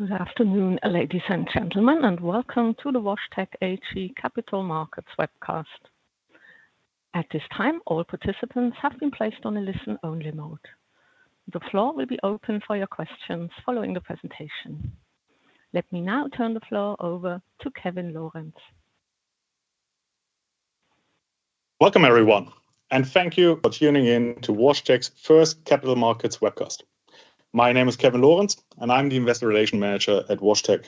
Good afternoon, ladies and gentlemen, and welcome to the WashTec AG Capital Markets webcast. At this time, all participants have been placed on a listen-only mode. The floor will be open for your questions following the presentation. Let me now turn the floor over to Kevin Lorentz. Welcome, everyone, and thank you for tuning in to WashTec's first Capital Markets webcast. My name is Kevin Lorentz, and I'm the Investor Relations Manager at WashTec.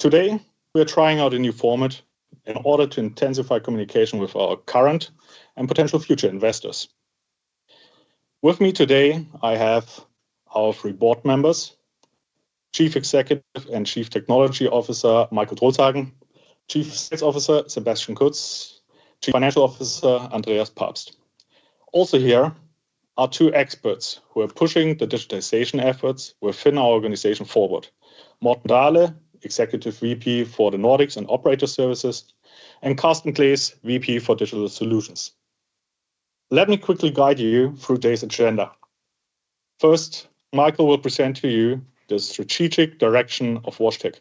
Today, we are trying out a new format in order to intensify communication with our current and potential future investors. With me today, I have our three board members: Chief Executive Officer and Chief Technology Officer, Michael Drolshagen, Chief Sales Officer, Sebastian Kutz, and Chief Financial Officer, Andreas Pabst. Also here are two experts who are pushing the digitalization efforts within our organization forward: Morten Dahle, Executive Vice President for the Nordics and Operator Services, and Carsten Klees, Vice President for Digital Solutions. Let me quickly guide you through today's agenda. First, Michael will present to you the strategic direction of WashTec.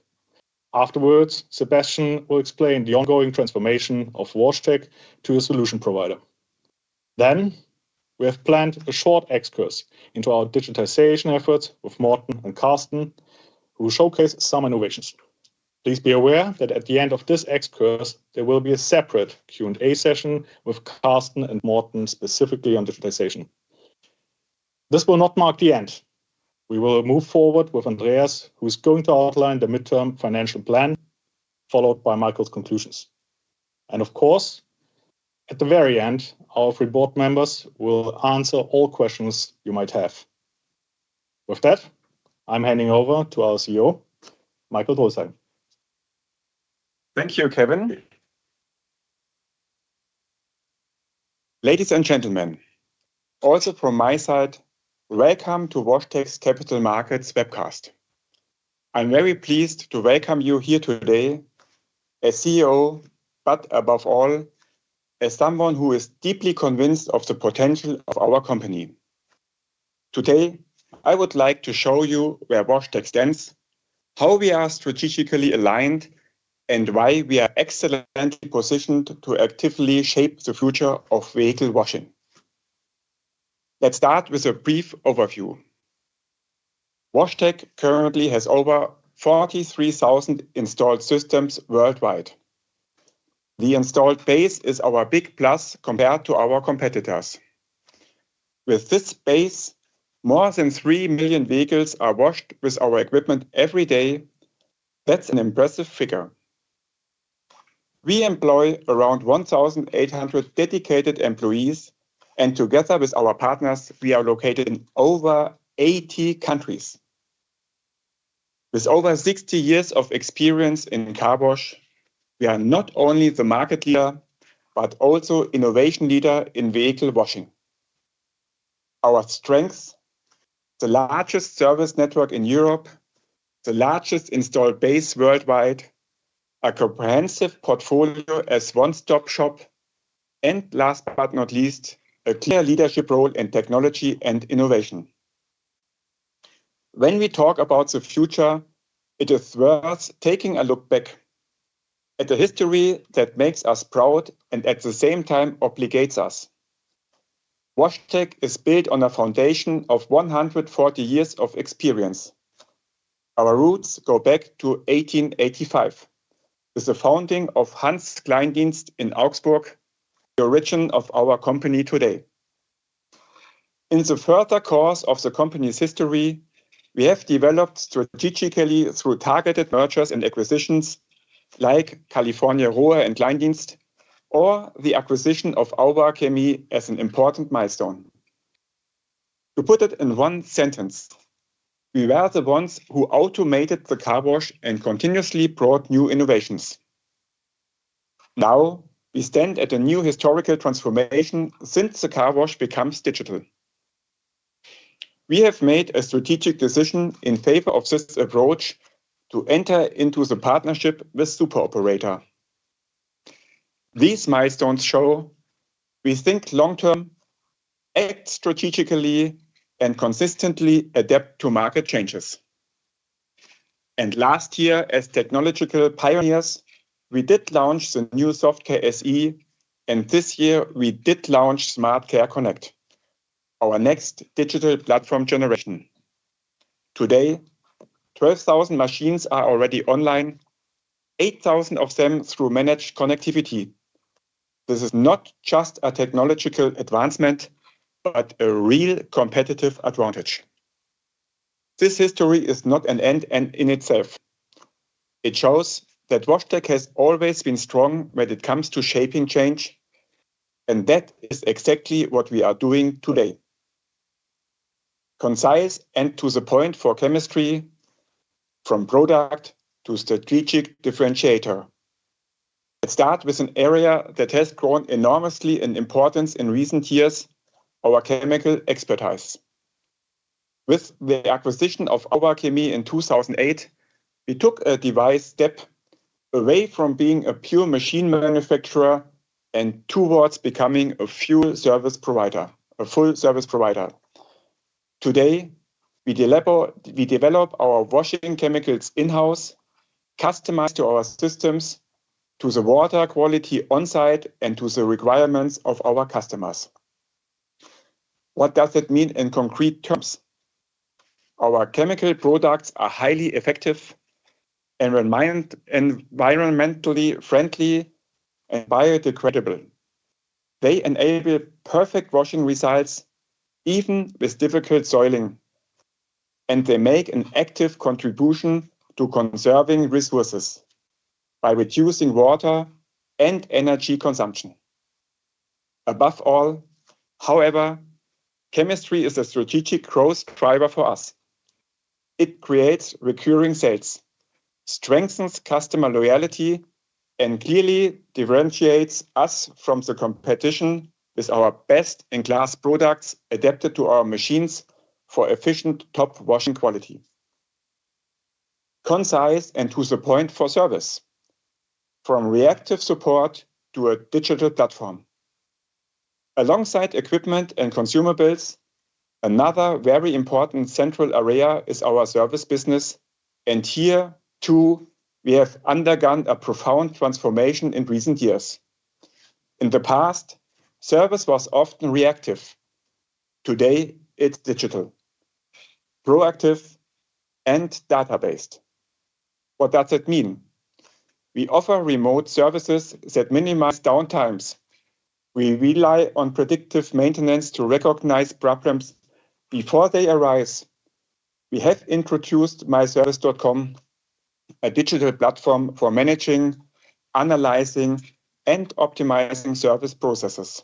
Afterwards, Sebastian will explain the ongoing transformation of WashTec to a solution provider. We have planned a short excurse into our digitalization efforts with Morten and Carsten, who will showcase some innovations. Please be aware that at the end of this excurse, there will be a separate Q&A session with Carsten and Morten specifically on digitalization. This will not mark the end. We will move forward with Andreas, who is going to outline the midterm financial plan, followed by Michael's conclusions. Of course, at the very end, our three board members will answer all questions you might have. With that, I'm handing over to our CEO, Michael Drolshagen. Thank you, Kevin. Ladies and gentlemen, also from my side, welcome to WashTec's Capital Markets webcast. I'm very pleased to welcome you here today as CEO, but above all, as someone who is deeply convinced of the potential of our company. Today, I would like to show you where WashTec stands, how we are strategically aligned, and why we are excellently positioned to actively shape the future of vehicle washing. Let's start with a brief overview. WashTec currently has over 43,000 installed systems worldwide. The installed base is our big plus compared to our competitors. With this base, more than 3 million vehicles are washed with our equipment every day. That's an impressive figure. We employ around 1,800 dedicated employees, and together with our partners, we are located in over 80 countries. With over 60 years of experience in car wash, we are not only the market leader but also the innovation leader in vehicle washing. Our strengths: the largest service network in Europe, the largest installed base worldwide, a comprehensive portfolio as a one-stop shop, and last but not least, a clear leadership role in technology and innovation. When we talk about the future, it is worth taking a look back at the history that makes us proud and at the same time obligates us. WashTec is built on a foundation of 140 years of experience. Our roots go back to 1885 with the founding of Hans Kleindienst in Augsburg, the origin of our company today. In the further course of the company's history, we have developed strategically through targeted mergers and acquisitions like California Rohé and Kleindienst or the acquisition of AUWA Chemie as an important milestone. To put it in one sentence, we were the ones who automated the car wash and continuously brought new innovations. Now, we stand at a new historical transformation since the car wash becomes digital. We have made a strategic decision in favor of this approach to enter into the partnership with Super Operator. These milestones show we think long-term, act strategically, and consistently adapt to market changes. Last year, as technological pioneers, we did launch the new SoftCare SE, and this year, we did launch SmartCare Connect, our next digital platform generation. Today, 12,000 machines are already online, 8,000 of them through managed connectivity. This is not just a technological advancement but a real competitive advantage. This history is not an end in itself. It shows that WashTec has always been strong when it comes to shaping change, and that is exactly what we are doing today. Concise and to the point for chemistry, from product to strategic differentiator. Let's start with an area that has grown enormously in importance in recent years: our chemical expertise. With the acquisition of AUWA Chemie in 2008, we took a decisive step away from being a pure machine manufacturer and towards becoming a full service provider. Today, we develop our washing chemicals in-house, customized to our systems, to the water quality on-site, and to the requirements of our customers. What does it mean in concrete terms? Our chemical products are highly effective and environmentally friendly and biodegradable. They enable perfect washing results, even with difficult soiling, and they make an active contribution to conserving resources by reducing water and energy consumption. Above all, however, chemistry is a strategic growth driver for us. It creates recurring sales, strengthens customer loyalty, and clearly differentiates us from the competition with our best-in-class products adapted to our machines for efficient top washing quality. Concise and to the point for service, from reactive support to a digital platform. Alongside equipment and consumables, another very important central area is our service business, and here, too, we have undergone a profound transformation in recent years. In the past, service was often reactive. Today, it's digital, proactive, and databased. What does it mean? We offer remote services that minimize downtimes. We rely on predictive maintenance to recognize problems before they arise. We have introduced mywashtec.com, a digital platform for managing, analyzing, and optimizing service processes.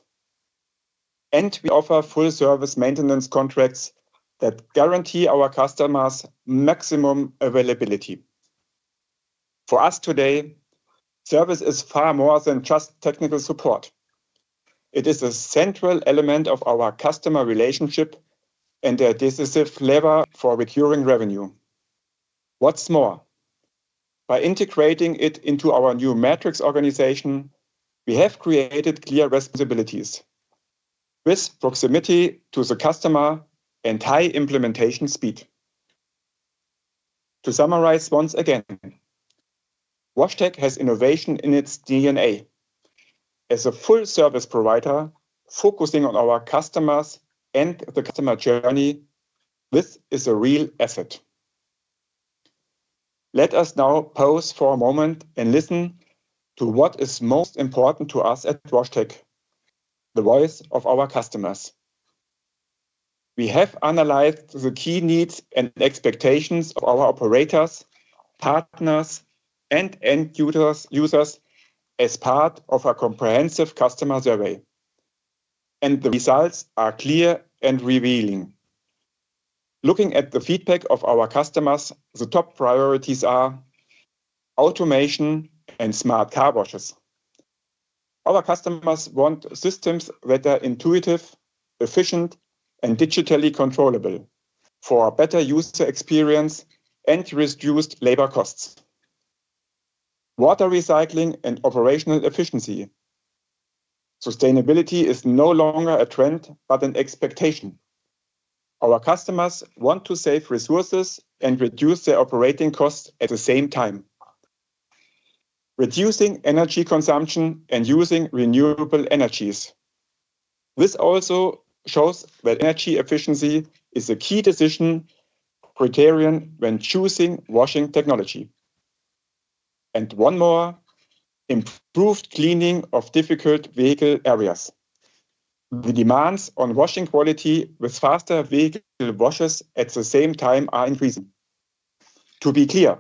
We offer full-service maintenance contracts that guarantee our customers maximum availability. For us today, service is far more than just technical support. It is a central element of our customer relationship and a decisive lever for recurring revenue. What's more, by integrating it into our new metrics organization, we have created clear responsibilities with proximity to the customer and high implementation speed. To summarize once again, WashTec has innovation in its DNA. As a full-service provider, focusing on our customers and the customer journey, this is a real asset. Let us now pause for a moment and listen to what is most important to us at WashTec: the voice of our customers. We have analyzed the key needs and expectations of our operators, partners, and end users as part of a comprehensive customer survey. The results are clear and revealing. Looking at the feedback of our customers, the top priorities are automation and smart car washes. Our customers want systems that are intuitive, efficient, and digitally controllable for a better user experience and reduced labor costs. Water recycling and operational efficiency. Sustainability is no longer a trend but an expectation. Our customers want to save resources and reduce their operating costs at the same time, reducing energy consumption and using renewable energies. This also shows that energy efficiency is a key decision criterion when choosing washing technology. One more: improved cleaning of difficult vehicle areas. The demands on washing quality with faster vehicle washes at the same time are increasing. To be clear,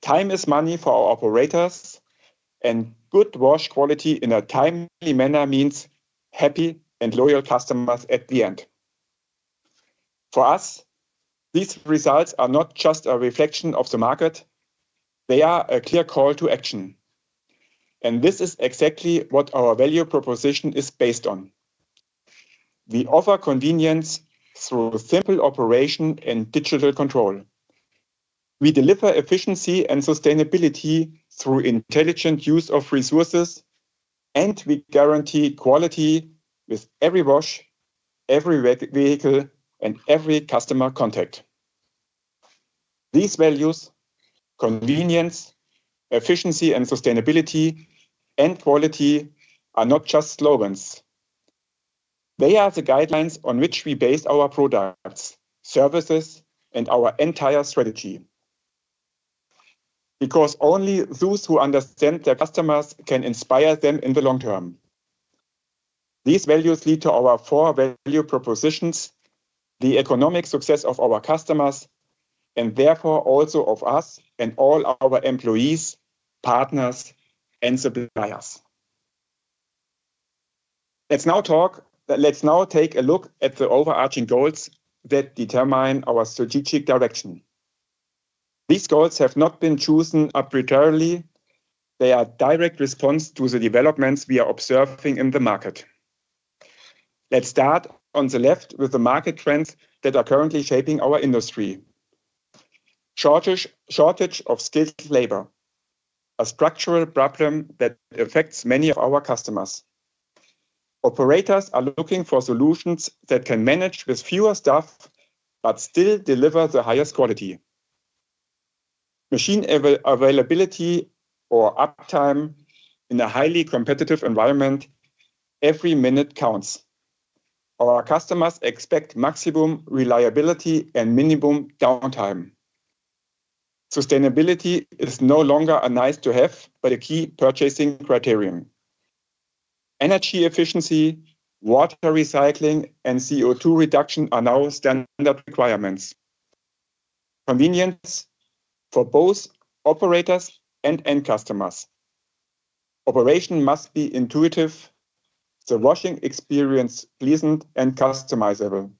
time is money for our operators, and good wash quality in a timely manner means happy and loyal customers at the end. For us, these results are not just a reflection of the market; they are a clear call to action. This is exactly what our value proposition is based on. We offer convenience through simple operation and digital control. We deliver efficiency and sustainability through intelligent use of resources, and we guarantee quality with every wash, every vehicle, and every customer contact. These values: convenience, efficiency, sustainability, and quality are not just slogans. They are the guidelines on which we base our products, services, and our entire strategy. Only those who understand their customers can inspire them in the long term. These values lead to our core value propositions, the economic success of our customers, and therefore also of us and all our employees, partners, and suppliers. Let's now take a look at the overarching goals that determine our strategic direction. These goals have not been chosen arbitrarily. They are a direct response to the developments we are observing in the market. Let's start on the left with the market trends that are currently shaping our industry. Shortage of skilled labor, a structural problem that affects many of our customers. Operators are looking for solutions that can manage with fewer staff but still deliver the highest quality. Machine availability or uptime in a highly competitive environment, every minute counts. Our customers expect maximum reliability and minimum downtime. Sustainability is no longer a nice-to-have but a key purchasing criterion. Energy efficiency, water recycling, and CO2 reduction are now standard requirements. Convenience for both operators and end customers is essential. Operation must be intuitive, the washing experience pleasant, and customizable.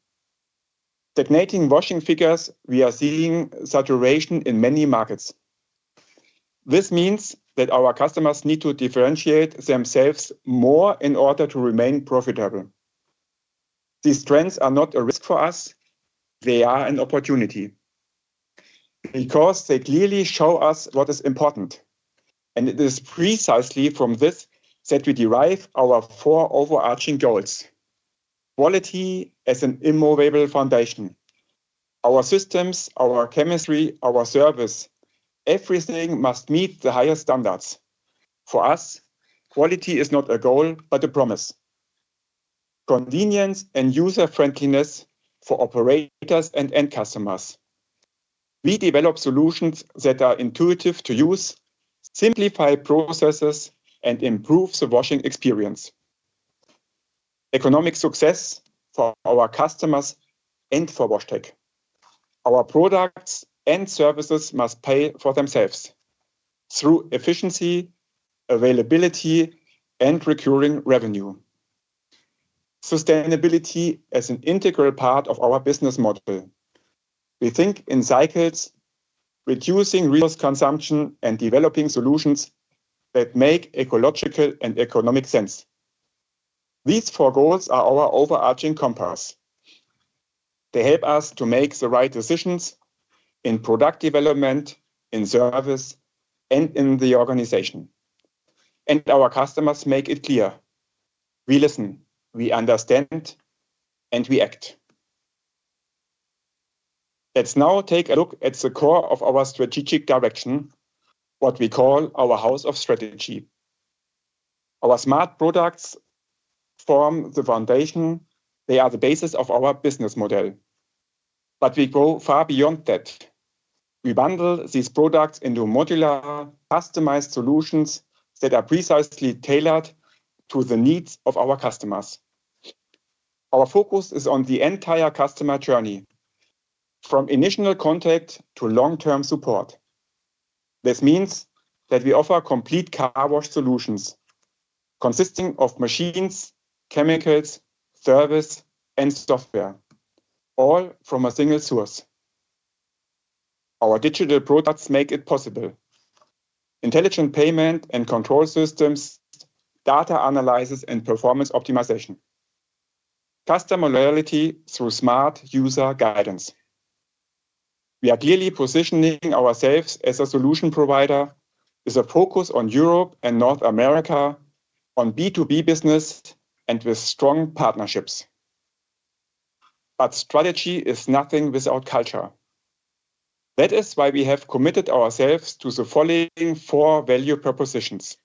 Stagnating washing figures show we are seeing saturation in many markets. This means that our customers need to differentiate themselves more in order to remain profitable. These trends are not a risk for us; they are an opportunity because they clearly show us what is important. It is precisely from this that we derive our four overarching goals. Quality as an immovable foundation. Our systems, our chemistry, our service, everything must meet the highest standards. For us, quality is not a goal but a promise. Convenience and user-friendliness for operators and end customers. We develop solutions that are intuitive to use, simplify processes, and improve the washing experience. Economic success for our customers and for WashTec. Our products and services must pay for themselves through efficiency, availability, and recurring revenue. Sustainability is an integral part of our business model. We think in cycles, reducing resource consumption, and developing solutions that make ecological and economic sense. These four goals are our overarching compass. They help us to make the right decisions in product development, in service, and in the organization. Our customers make it clear. We listen, we understand, and we act. Let's now take a look at the core of our strategic direction, what we call our house of strategy. Our smart products form the foundation; they are the basis of our business model. We go far beyond that. We bundle these products into modular, customized solutions that are precisely tailored to the needs of our customers. Our focus is on the entire customer journey, from initial contact to long-term support. This means that we offer complete car wash solutions consisting of machines, chemicals, service, and software, all from a single source. Our digital products make it possible: intelligent payment and control systems, data analysis, and performance optimization. Customer loyalty through smart user guidance. We are clearly positioning ourselves as a solution provider with a focus on Europe and North America, on B2B business, and with strong partnerships. Strategy is nothing without culture. That is why we have committed ourselves to the following four value propositions: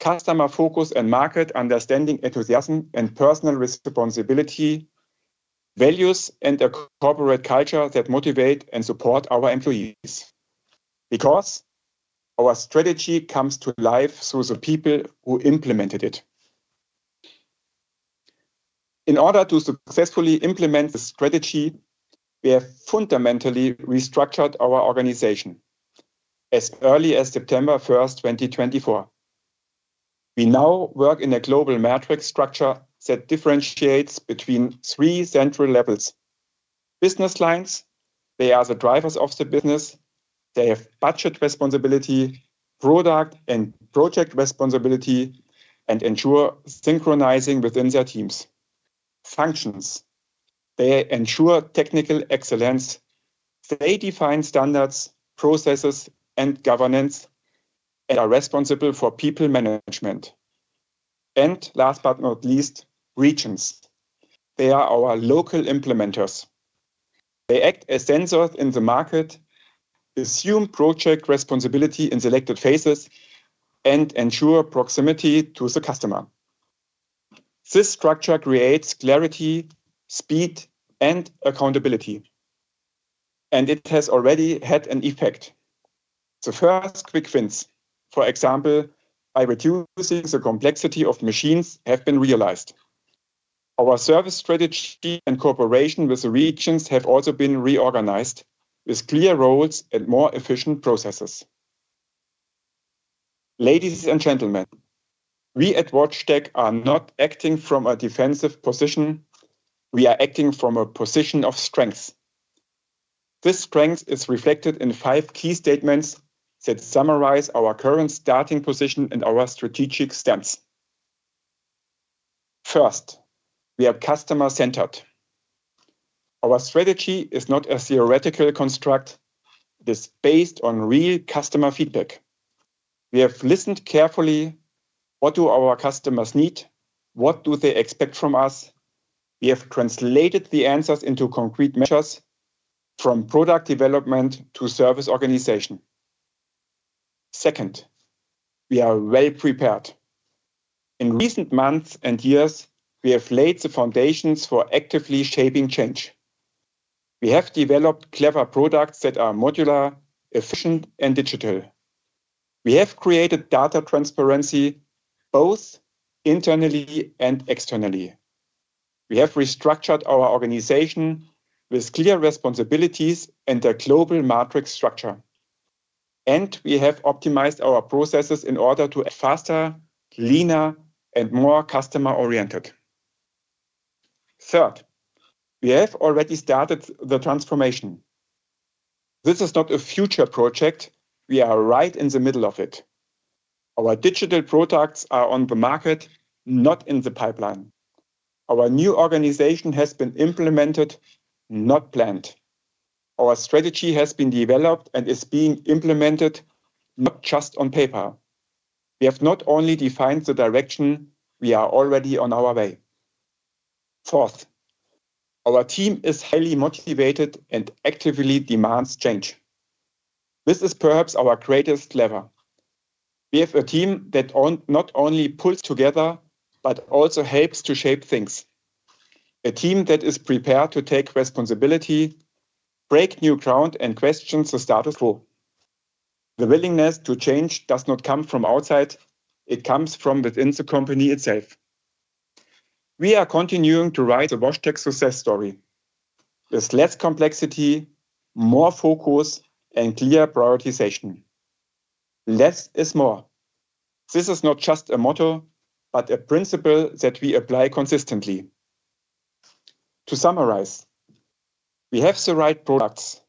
customer focus and market understanding, enthusiasm and personal responsibility, values, and a corporate culture that motivates and supports our employees. Our strategy comes to life through the people who implement it. In order to successfully implement the strategy, we have fundamentally restructured our organization as early as September 1st, 2024. We now work in a global matrix structure that differentiates between three central levels: business lines, they are the drivers of the business, they have budget responsibility, product and project responsibility, and ensure synchronizing within their teams. Functions ensure technical excellence, define standards, processes, and governance, and are responsible for people management. Last but not least, regions are our local implementers. They act as sensors in the market, assume project responsibility in selected phases, and ensure proximity to the customer. This structure creates clarity, speed, and accountability. It has already had an effect. The first quick wins, for example, by reducing the complexity of machines, have been realized. Our service strategy and cooperation with the regions have also been reorganized with clear roles and more efficient processes. Ladies and gentlemen, we at WashTec are not acting from a defensive position. We are acting from a position of strength. This strength is reflected in five key statements that summarize our current starting position and our strategic stance. First, we are customer-centered. Our strategy is not a theoretical construct. It is based on real customer feedback. We have listened carefully: what do our customers need? What do they expect from us? We have translated the answers into concrete measures from product development to service organization. Second, we are well-prepared. In recent months and years, we have laid the foundations for actively shaping change. We have developed clever products that are modular, efficient, and digital. We have created data transparency, both internally and externally. We have restructured our organization with clear responsibilities and a global matrix structure. We have optimized our processes in order to be faster, leaner, and more customer-oriented. Third, we have already started the transformation. This is not a future project. We are right in the middle of it. Our digital products are on the market, not in the pipeline. Our new organization has been implemented, not planned. Our strategy has been developed and is being implemented, not just on paper. We have not only defined the direction; we are already on our way. Fourth, our team is highly motivated and actively demands change. This is perhaps our greatest lever. We have a team that not only pulls together but also helps to shape things. A team that is prepared to take responsibility, break new ground, and question the status quo. The willingness to change does not come from outside; it comes from within the company itself. We are continuing to write the WashTec success story with less complexity, more focus, and clear prioritization. Less is more. This is not just a motto but a principle that we apply consistently. To summarize, we have the right products,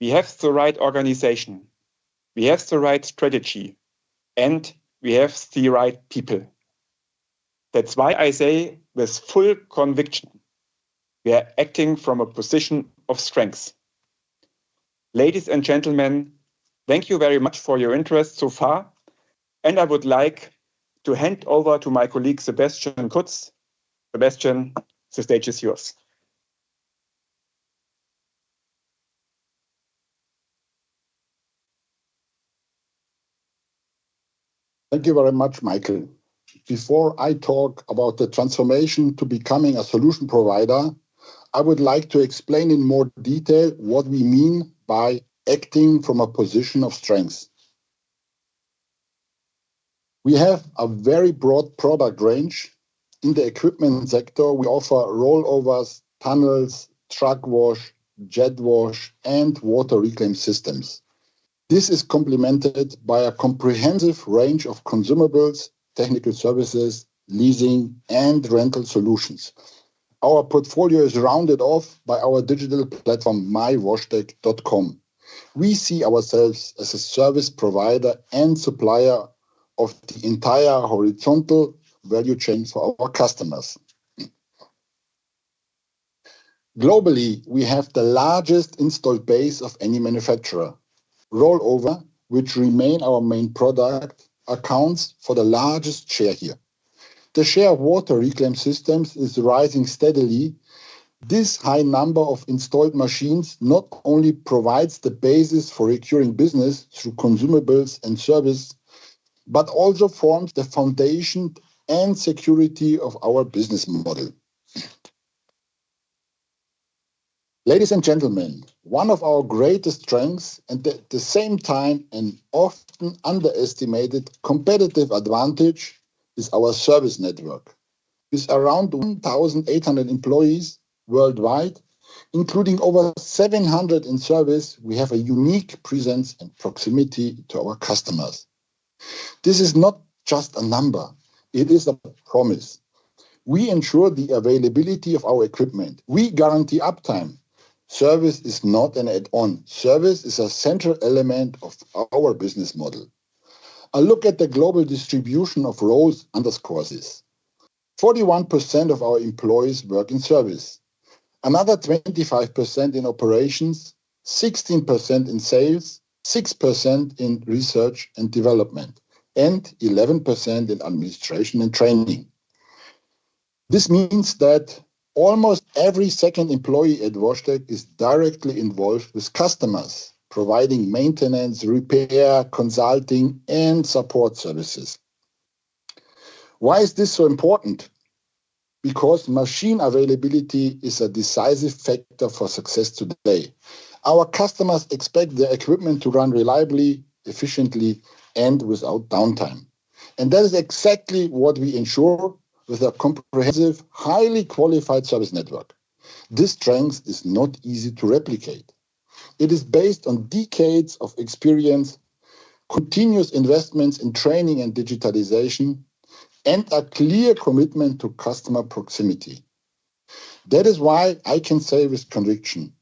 we have the right organization, we have the right strategy, and we have the right people. That's why I say with full conviction, we are acting from a position of strength. Ladies and gentlemen, thank you very much for your interest so far, and I would like to hand over to my colleague, Sebastian Kutz. Sebastian, the stage is yours. Thank you very much, Michael. Before I talk about the transformation to becoming a solution provider, I would like to explain in more detail what we mean by acting from a position of strength. We have a very broad product range. In the equipment sector, we offer rollovers, tunnels, truck wash, jet wash, and water reclaim systems. This is complemented by a comprehensive range of consumables, technical services, leasing, and rental solutions. Our portfolio is rounded off by our digital platform, mywashtec.com. We see ourselves as a service provider and supplier of the entire horizontal value chain for our customers. Globally, we have the largest installed base of any manufacturer. Rollover, which remains our main product, accounts for the largest share here. The share of water reclaim systems is rising steadily. This high number of installed machines not only provides the basis for recurring business through consumables and services but also forms the foundation and security of our business model. Ladies and gentlemen, one of our greatest strengths and at the same time an often underestimated competitive advantage is our service network. With around 1,800 employees worldwide, including over 700 in service, we have a unique presence and proximity to our customers. This is not just a number, it is a promise. We ensure the availability of our equipment. We guarantee uptime. Service is not an add-on. Service is a central element of our business model. A look at the global distribution of roles underscores this. 41% of our employees work in service, another 25% in operations, 16% in sales, 6% in research and development, and 11% in administration and training. This means that almost every second employee at WashTec is directly involved with customers, providing maintenance, repair, consulting, and support services. Why is this so important? Because machine availability is a decisive factor for success today. Our customers expect their equipment to run reliably, efficiently, and without downtime. That is exactly what we ensure with a comprehensive, highly qualified service network. This strength is not easy to replicate. It is based on decades of experience, continuous investments in training and digitalization, and a clear commitment to customer proximity. That is why I can say with conviction,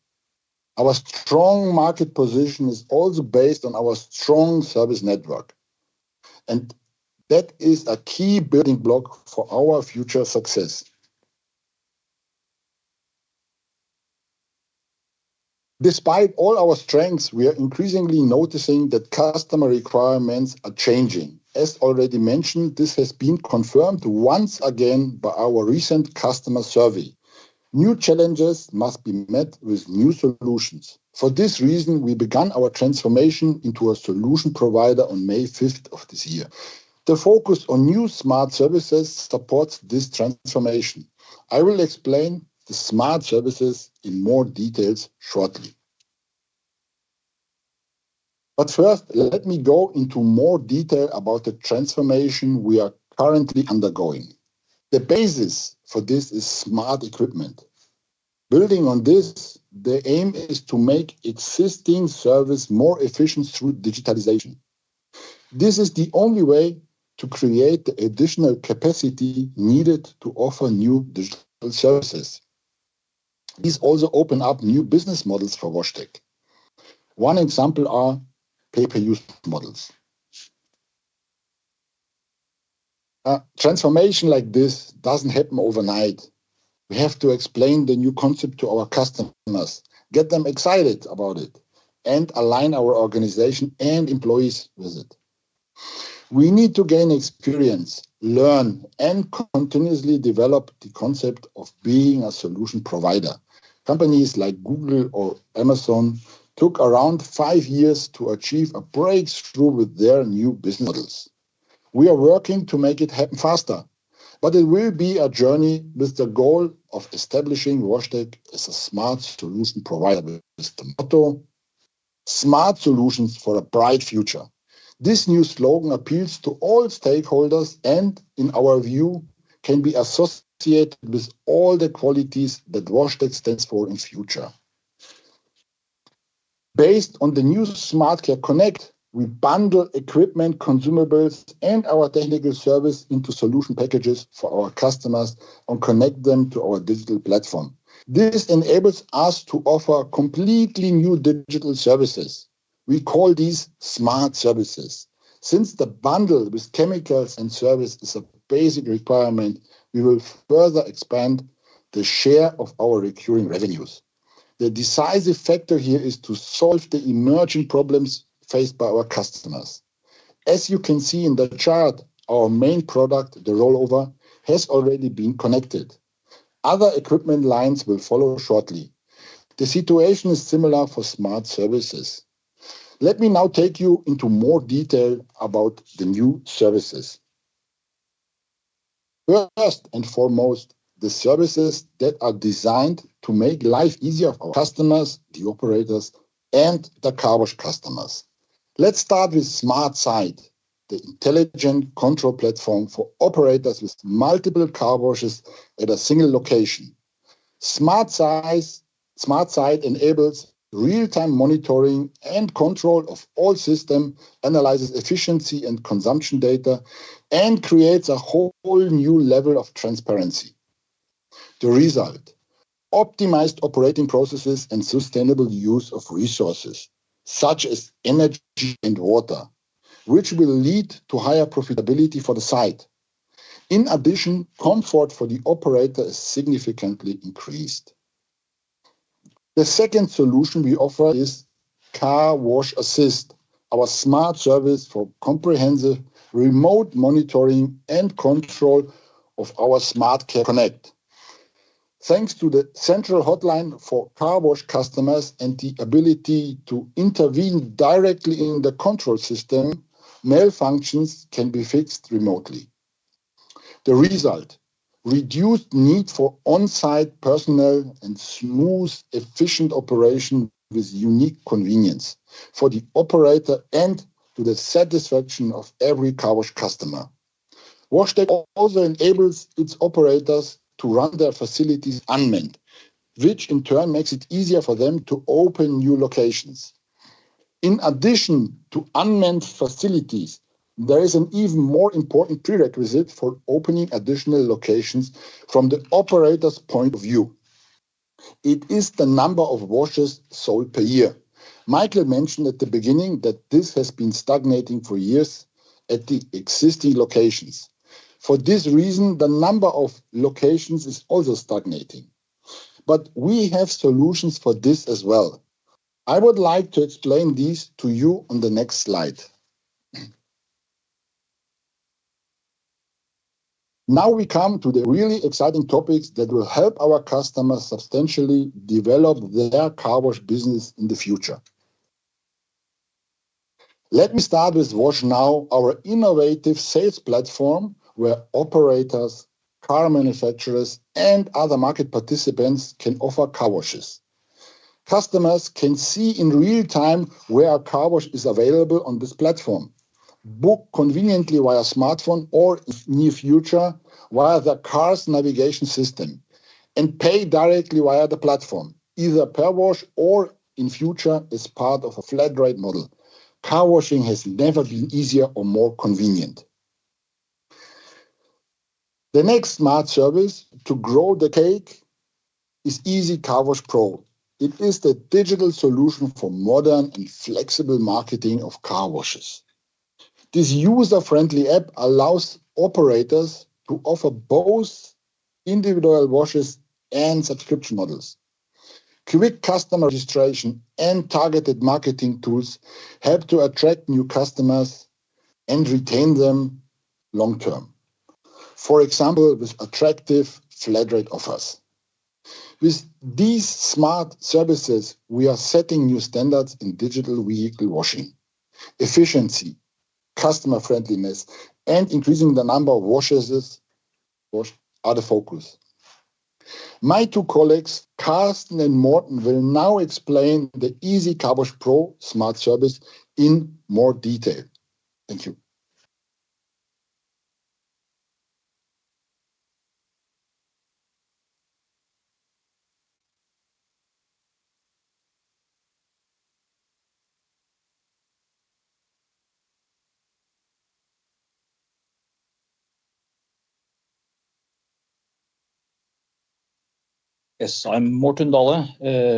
our strong market position is also based on our strong service network. That is a key building block for our future success. Despite all our strengths, we are increasingly noticing that customer requirements are changing. As already mentioned, this has been confirmed once again by our recent customer survey. New challenges must be met with new solutions. For this reason, we began our transformation into a solution provider on May 5th of this year. The focus on new smart services supports this transformation. I will explain the smart services in more detail shortly. First, let me go into more detail about the transformation we are currently undergoing. The basis for this is smart equipment. Building on this, the aim is to make existing service more efficient through digitalization. This is the only way to create the additional capacity needed to offer new digital services. These also open up new business models for WashTec. One example is pay-per-use models. A transformation like this doesn't happen overnight. We have to explain the new concept to our customers, get them excited about it, and align our organization and employees with it. We need to gain experience, learn, and continuously develop the concept of being a solution provider. Companies like Google or Amazon took around five years to achieve a breakthrough with their new business models. We are working to make it happen faster, but it will be a journey with the goal of establishing WashTec as a smart solution provider. That is the motto, smart solutions for a bright future. This new slogan appeals to all stakeholders and, in our view, can be associated with all the qualities that WashTec stands for in the future. Based on the new SmartCare Connect, we bundle equipment, consumables, and our technical service into solution packages for our customers and connect them to our digital platform. This enables us to offer completely new digital services. We call these smart services. Since the bundle with chemicals and service is a basic requirement, we will further expand the share of our recurring revenues. The decisive factor here is to solve the emerging problems faced by our customers. As you can see in the chart, our main product, the rollover, has already been connected. Other equipment lines will follow shortly. The situation is similar for smart services. Let me now take you into more detail about the new services. First and foremost, the services that are designed to make life easier for our customers, the operators, and the car wash customers. Let's start with SmartSite, the intelligent control platform for operators with multiple car washes at a single location. SmartSite enables real-time monitoring and control of all systems, analyzes efficiency and consumption data, and creates a whole new level of transparency. The result: optimized operating processes and sustainable use of resources, such as energy and water, which will lead to higher profitability for the site. In addition, comfort for the operator is significantly increased. The second solution we offer is CarWash Assist, our smart service for comprehensive remote monitoring and control of our SmartCare Connect. Thanks to the central hotline for car wash customers and the ability to intervene directly in the control system, malfunctions can be fixed remotely. The result: reduced need for on-site personnel and smooth, efficient operation with unique convenience for the operator and to the satisfaction of every car wash customer. WashTec also enables its operators to run their facilities unmanned, which in turn makes it easier for them to open new locations. In addition to unmanned facilities, there is an even more important prerequisite for opening additional locations from the operator's point of view. It is the number of washes sold per year. Michael mentioned at the beginning that this has been stagnating for years at the existing locations. For this reason, the number of locations is also stagnating. We have solutions for this as well. I would like to explain these to you on the next slide. Now we come to the really exciting topics that will help our customers substantially develop their car wash business in the future. Let me start with WashNow, our innovative sales platform where operators, car manufacturers, and other market participants can offer car washes. Customers can see in real time where a car wash is available on this platform, book conveniently via smartphone or, in the near future, via the car's navigation system, and pay directly via the platform, either per wash or, in the future, as part of a flat-rate model. Car washing has never been easier or more convenient. The next smart service to grow the cake is EasyCarWash PRO. It is the digital solution for modern and flexible marketing of car washes. This user-friendly app allows operators to offer both individual washes and subscription models. Quick customer registration and targeted marketing tools help to attract new customers and retain them long term, for example, with attractive flat-rate offers. With these smart services, we are setting new standards in digital vehicle washing. Efficiency, customer-friendliness, and increasing the number of washes are the focus. My two colleagues, Carsten and Morten, will now explain the EasyCarWash PRO smart service in more detail. Thank you. Yes, I'm Morten Dahle,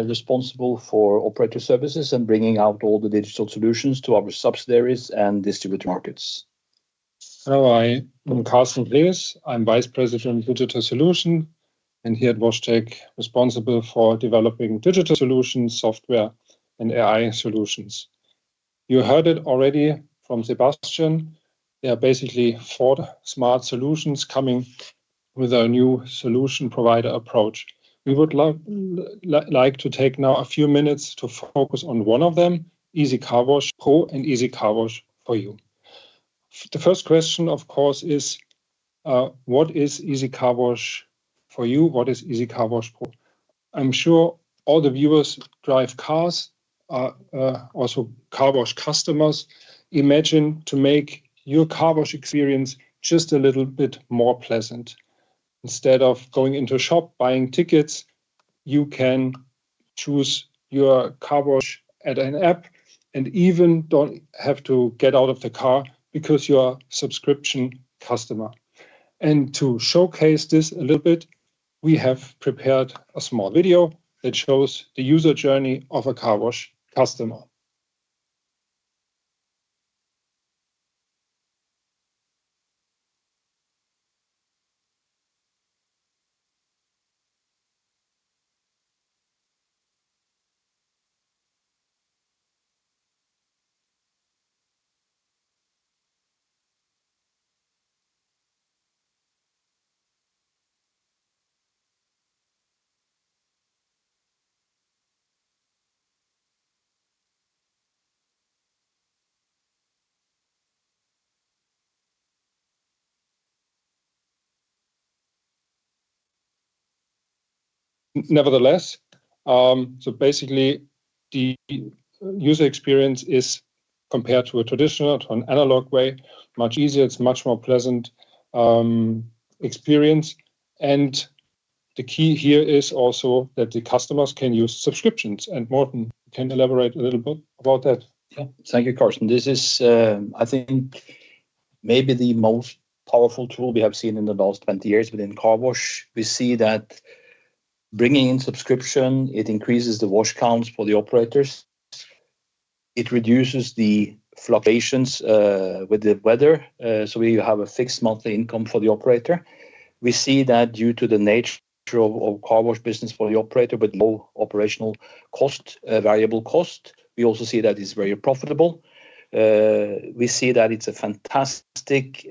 responsible for Operator Services and bringing out all the digital solutions to our subsidiaries and distributed markets. Hi, I'm Carsten Klees. I'm Vice President Digital Solutions and here at WashTec, responsible for developing digital solutions, software, and AI solutions. You heard it already from Sebastian. There are basically four smart solutions coming with our new solution provider approach. We would like to take now a few minutes to focus on one of them, EasyCarWash PRO and EasyCarWash 4U. The first question, of course, is, what is EasyCarWash 4U? What is EasyCarWash PRO? I'm sure all the viewers drive cars, are also car wash customers. Imagine to make your car wash experience just a little bit more pleasant. Instead of going into a shop, buying tickets, you can choose your car wash at an app and even don't have to get out of the car because you are a subscription customer. To showcase this a little bit, we have prepared a small video that shows the user journey of a car wash customer. Nevertheless, basically, the user experience is compared to a traditional or an analog way much easier. It's a much more pleasant experience. The key here is also that the customers can use subscriptions. Morten can elaborate a little bit about that. Yeah, thank you, Carsten. This is, I think, maybe the most powerful tool we have seen in the last 20 years within car wash. We see that bringing in subscription, it increases the wash counts for the operators. It reduces the fluctuations with the weather. We have a fixed monthly income for the operator. We see that due to the nature of car wash business for the operator with low operational cost, variable cost, we also see that it's very profitable. We see that it's a fantastic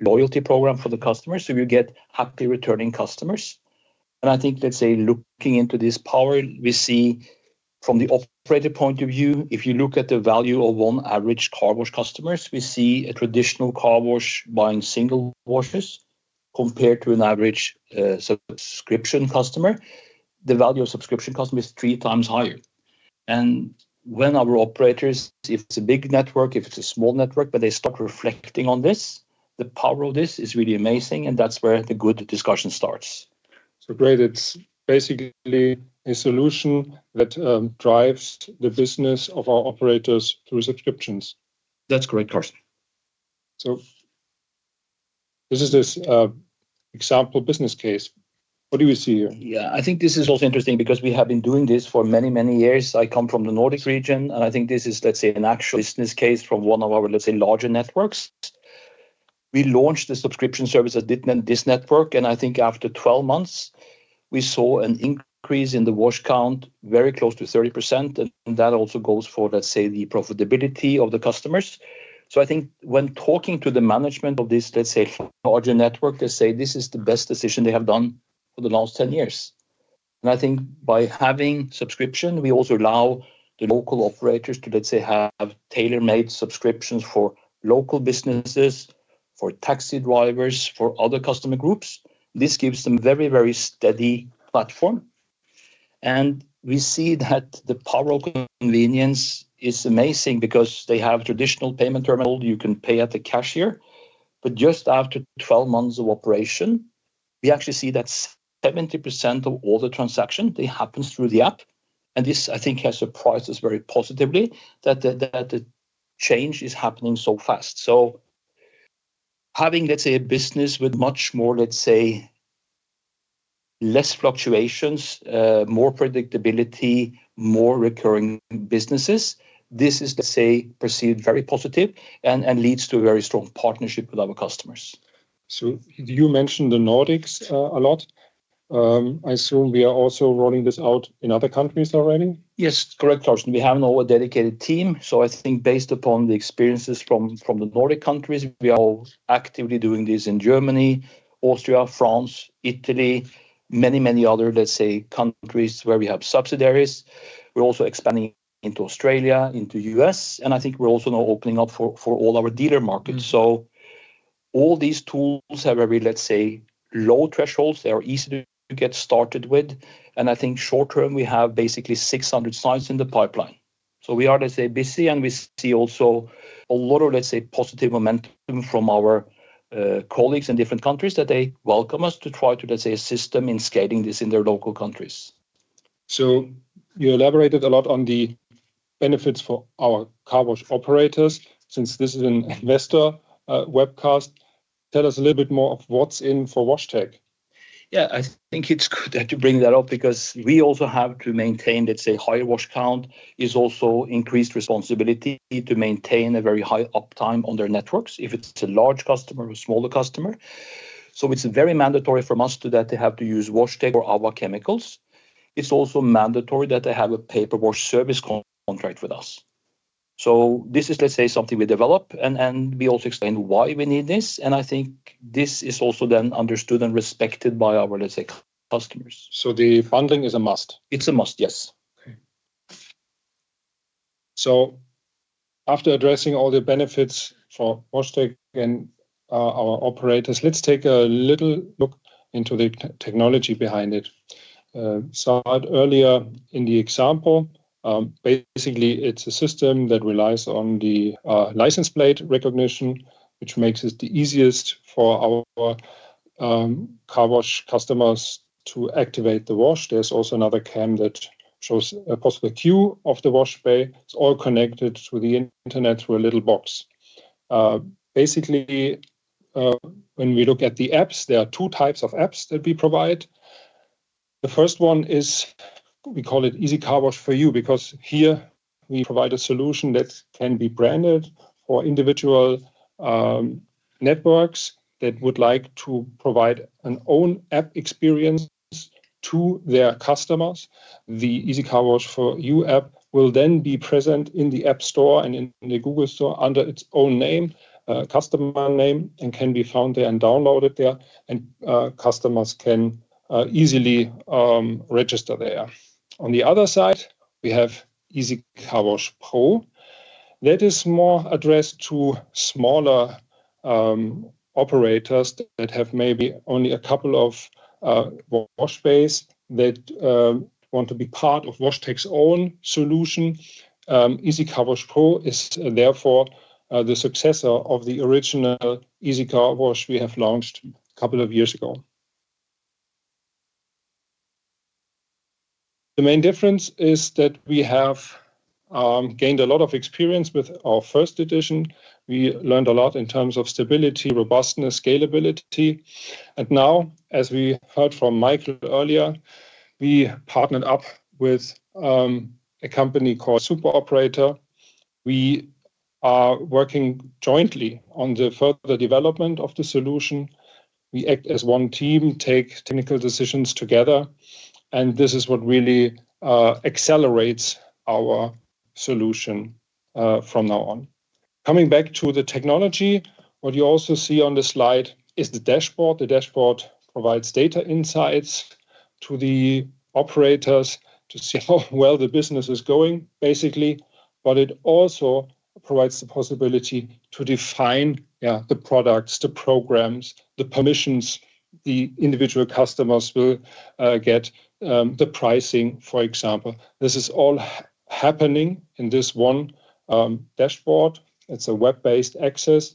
loyalty program for the customers. You get happy returning customers. I think, let's say, looking into this power, we see from the operator point of view, if you look at the value of one average car wash customer, we see a traditional car wash buying single washes compared to an average subscription customer. The value of subscription customers is three times higher. When our operators, if it's a big network, if it's a small network, but they start reflecting on this, the power of this is really amazing. That's where the good discussion starts. It's basically a solution that drives the business of our operators through subscriptions. That's great, Carsten. This is this example business case. What do we see here? Yeah, I think this is interesting because we have been doing this for many, many years. I come from the Nordic region, and I think this is, let's say, an actual business case from one of our, let's say, larger networks. We launched the subscription service at this network, and I think after 12 months, we saw an increase in the wash count, very close to 30%. That also goes for, let's say, the profitability of the customers. When talking to the management of this, let's say, larger network, they say this is the best decision they have done for the last 10 years. I think by having subscription, we also allow the local operators to, let's say, have tailor-made subscriptions for local businesses, for taxi drivers, for other customer groups. This gives them a very, very steady platform. We see that the power of convenience is amazing because they have traditional payment terminals. You can pay at the cashier. Just after 12 months of operation, we actually see that 70% of all the transactions, they happen through the app. This, I think, has surprised us very positively that the change is happening so fast. Having, let's say, a business with much more, let's say, less fluctuations, more predictability, more recurring businesses, this is, let's say, perceived very positive and leads to a very strong partnership with our customers. You mentioned the Nordics a lot. I assume we are also rolling this out in other countries already? Yes, correct, Carsten. We have now a dedicated team. I think based upon the experiences from the Nordic countries, we are now actively doing this in Germany, Austria, France, Italy, many, many other countries where we have subsidiaries. We're also expanding into Australia, into the U.S. I think we're also now opening up for all our dealer markets. All these tools have really low thresholds. They are easy to get started with. I think short term, we have basically 600 sites in the pipeline. We are busy, and we see also a lot of positive momentum from our colleagues in different countries that they welcome us to try to assist them in scaling this in their local countries. You elaborated a lot on the benefits for our car wash operators. Since this is an investor webcast, tell us a little bit more of what's in for WashTec. Yeah, I think it's good that you bring that up because we also have to maintain, let's say, high wash count is also increased responsibility to maintain a very high uptime on their networks if it's a large customer or a smaller customer. It is very mandatory for us that they have to use WashTec for our chemicals. It's also mandatory that they have a paper wash service contract with us. This is, let's say, something we develop and we also explain why we need this. I think this is also then understood and respected by our, let's say, customers. Is the funding a must? It's a must, yes. Okay. After addressing all the benefits for WashTec and our operators, let's take a little look into the technology behind it. I had earlier in the example, basically, it's a system that relies on the license plate recognition, which makes it the easiest for our car wash customers to activate the wash. There's also another cam that shows a possible queue of the wash bay. It's all connected to the internet through a little box. Basically, when we look at the apps, there are two types of apps that we provide. The first one is, we call it EasyCarWash 4U because here we provide a solution that can be branded for individual networks that would like to provide an own app experience to their customers. The EasyCarWash 4U app will then be present in the App Store and in the Google Store under its own name, customer name, and can be found there and downloaded there. Customers can easily register there. On the other side, we have EasyCarWash PRO. That is more addressed to smaller operators that have maybe only a couple of wash bays that want to be part of WashTec's own solution. EasyCarWash PRO is therefore the successor of the original EasyCarWash we have launched a couple of years ago. The main difference is that we have gained a lot of experience with our first edition. We learned a lot in terms of stability, robustness, scalability. As we heard from Michael earlier, we partnered up with a company called Super Operator. We are working jointly on the further development of the solution. We act as one team, take technical decisions together. This is what really accelerates our solution from now on. Coming back to the technology, what you also see on the slide is the dashboard. The dashboard provides data insights to the operators to see how well the business is going, basically. It also provides the possibility to define the products, the programs, the permissions the individual customers will get, the pricing, for example. This is all happening in this one dashboard. It's a web-based access.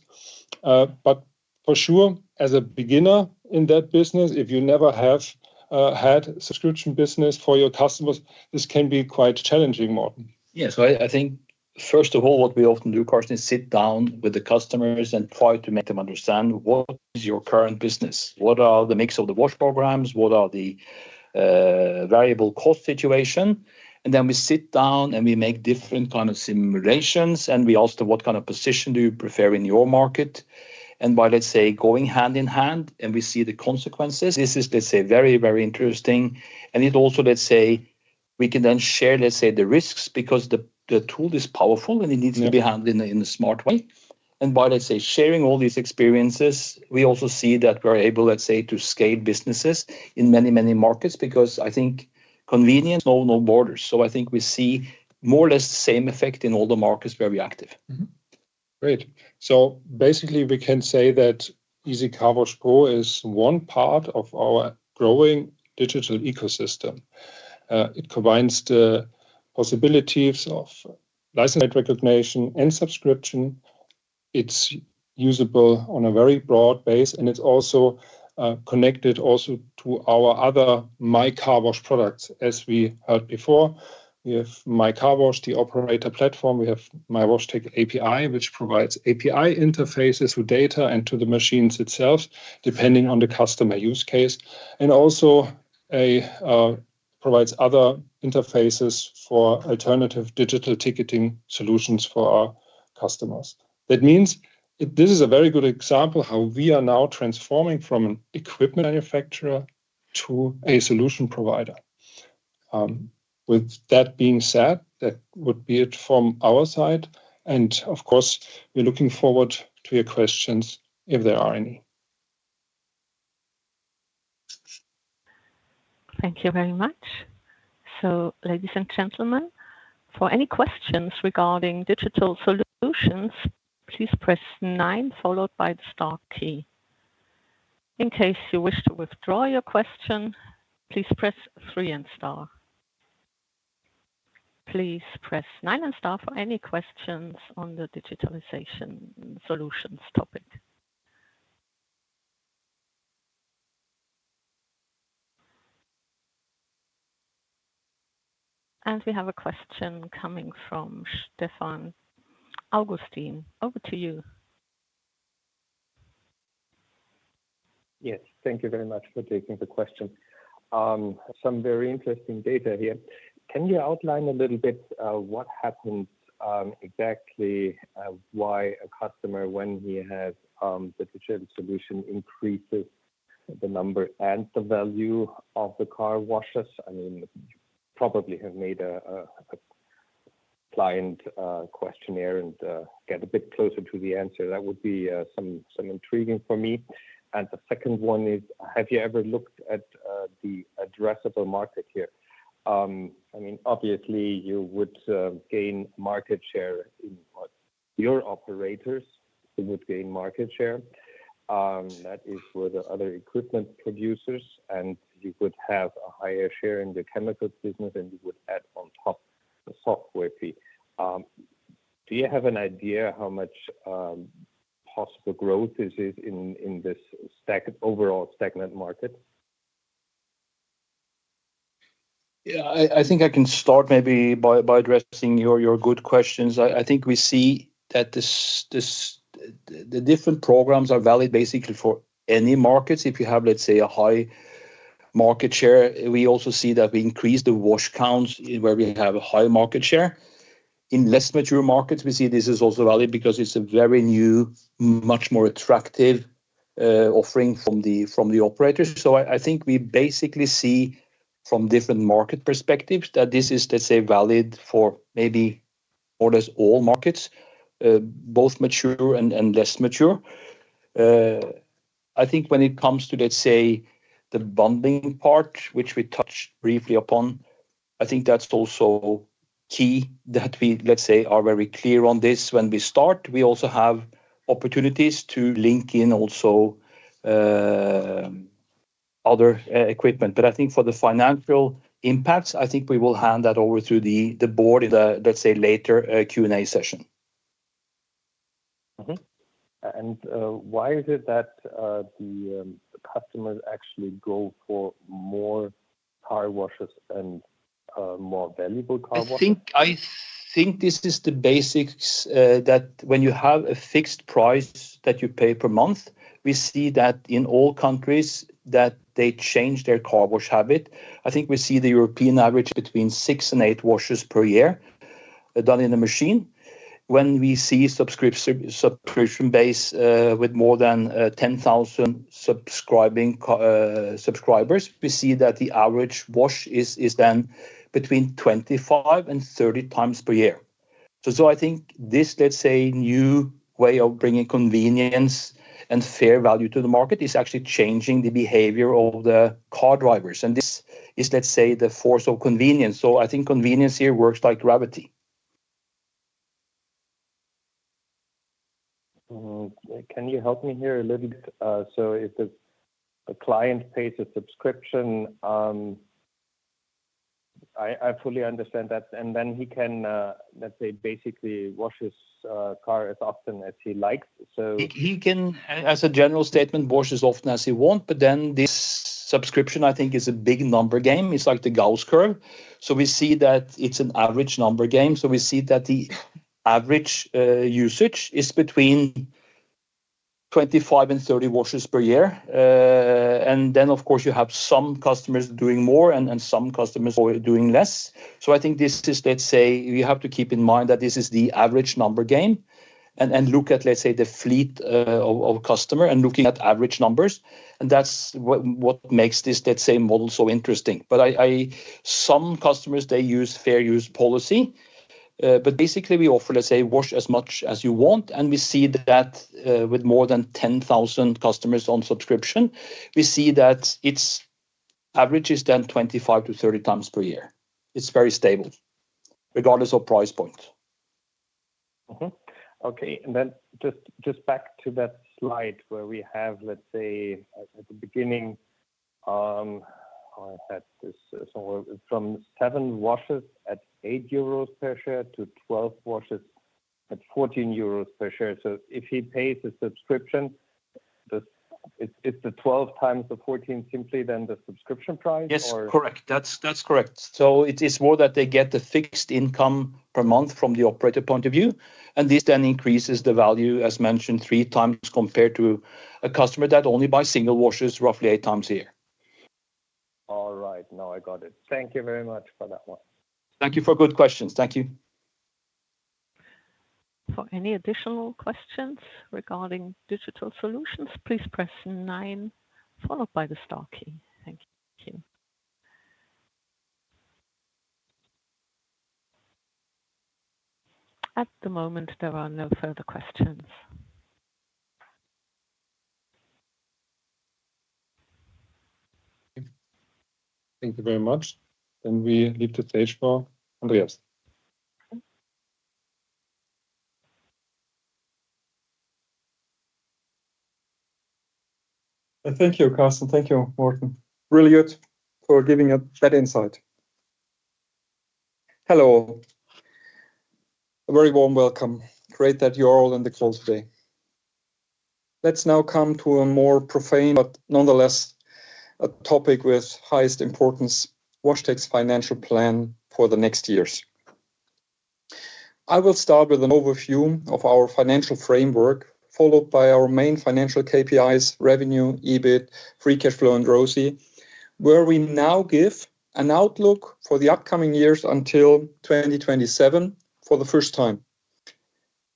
For sure, as a beginner in that business, if you never have had a subscription business for your customers, this can be quite challenging, Morten. Yeah, I think first of all, what we often do, Carsten, is sit down with the customers and try to make them understand what is your current business. What are the mix of the wash programs? What are the variable cost situations? We sit down and we make different kinds of simulations. We ask them, what kind of position do you prefer in your market? By going hand in hand, we see the consequences. This is very, very interesting. It also means we can then share the risks because the tool is powerful and it needs to be handled in a smart way. By sharing all these experiences, we also see that we're able to scale businesses in many, many markets because I think convenience knows no borders. I think we see more or less the same effect in all the markets where we're active. Great. Basically, we can say that EasyCarWash PRO is one part of our growing digital ecosystem. It combines the possibilities of license plate recognition and subscription. It's usable on a very broad base. It's also connected to our other MyCarWash products. As we heard before, we have MyCarWash, the operator platform. We have mywashtec.com API, which provides API interfaces to data and to the machines itself, depending on the customer use case. It also provides other interfaces for alternative digital ticketing solutions for our customers. This is a very good example of how we are now transforming from an equipment manufacturer to a solution provider. With that being said, that would be it from our side. Of course, we're looking forward to your questions if there are any. Thank you very much. Ladies and gentlemen, for any questions regarding digital solutions, please press nine followed by the star key. In case you wish to withdraw your question, please press three and star. Please press nine and star for any questions on the digitalization solutions topic. We have a question coming from Stefan Augustin. Over to you. Yes, thank you very much for taking the question. Some very interesting data here. Can you outline a little bit what happens exactly? Why a customer, when he has the digital solution, increases the number and the value of the car washes? I mean, you probably have made a client questionnaire and get a bit closer to the answer. That would be intriguing for me. The second one is, have you ever looked at the addressable market here? I mean, obviously, you would gain market share in your operators. You would gain market share. That is for the other equipment producers. You would have a higher share in the chemicals business, and you would add on top the software fee. Do you have an idea how much possible growth is in this overall stagnant market? Yeah, I think I can start maybe by addressing your good questions. I think we see that the different programs are valid basically for any markets. If you have, let's say, a high market share, we also see that we increase the wash counts where we have a high market share. In less mature markets, we see this is also valid because it's a very new, much more attractive offering from the operators. I think we basically see from different market perspectives that this is, let's say, valid for maybe more or less all markets, both mature and less mature. When it comes to, let's say, the bonding part, which we touched briefly upon, I think that's also key that we, let's say, are very clear on this when we start. We also have opportunities to link in also other equipment. For the financial impacts, I think we will hand that over to the board in the, let's say, later Q&A session. Why is it that the customers actually go for more car washes and more valuable car washes? I think this is the basics that when you have a fixed price that you pay per month, we see that in all countries that they change their car wash habit. I think we see the European average between six and eight washes per year done in the machine. When we see subscription-based with more than 10,000 subscribers, we see that the average wash is then between 25 and 30 times per year. I think this, let's say, new way of bringing convenience and fair value to the market is actually changing the behavior of the car drivers. This is, let's say, the force of convenience. I think convenience here works like gravity. Can you help me here a little bit? If a client pays a subscription, I fully understand that, and then he can, let's say, basically wash his car as often as he likes. He can, as a general statement, wash as often as he wants. This subscription, I think, is a big number game. It's like the Gauss curve. We see that it's an average number game. We see that the average usage is between 25 and 30 washes per year. Of course, you have some customers doing more and some customers doing less. We have to keep in mind that this is the average number game and look at the fleet of customers and look at average numbers. That's what makes this model so interesting. Some customers use fair use policy. Basically, we offer wash as much as you want. We see that with more than 10,000 customers on subscription, its average is then 25-30 times per year. It's very stable regardless of price point. Okay. Just back to that slide where we have, let's say, at the beginning, I had this somewhere from seven washes at 8 euros per share to 12 washes at 14 euros per share. If he pays a subscription, is the 12 times the 14 simply then the subscription price? Yes, correct. That's correct. It is more that they get the fixed income per month from the operator point of view. This then increases the value, as mentioned, three times compared to a customer that only buys single washes roughly eight times a year. All right. No, I got it. Thank you very much for that one. Thank you for good questions. Thank you. For any additional questions regarding digital solutions, please press nine followed by the star key. Thank you. At the moment, there are no further questions. Thank you very much. We leave the stage for Andreas. Thank you, Carsten. Thank you, Morten. Really good for giving up that insight. Hello all. A very warm welcome. Great that you are all on the call today. Let's now come to a more profane, but nonetheless, a topic with highest importance: WashTec's financial plan for the next years. I will start with an overview of our financial framework, followed by our main financial KPIs: revenue, EBIT, free cash flow, and ROCI, where we now give an outlook for the upcoming years until 2027 for the first time.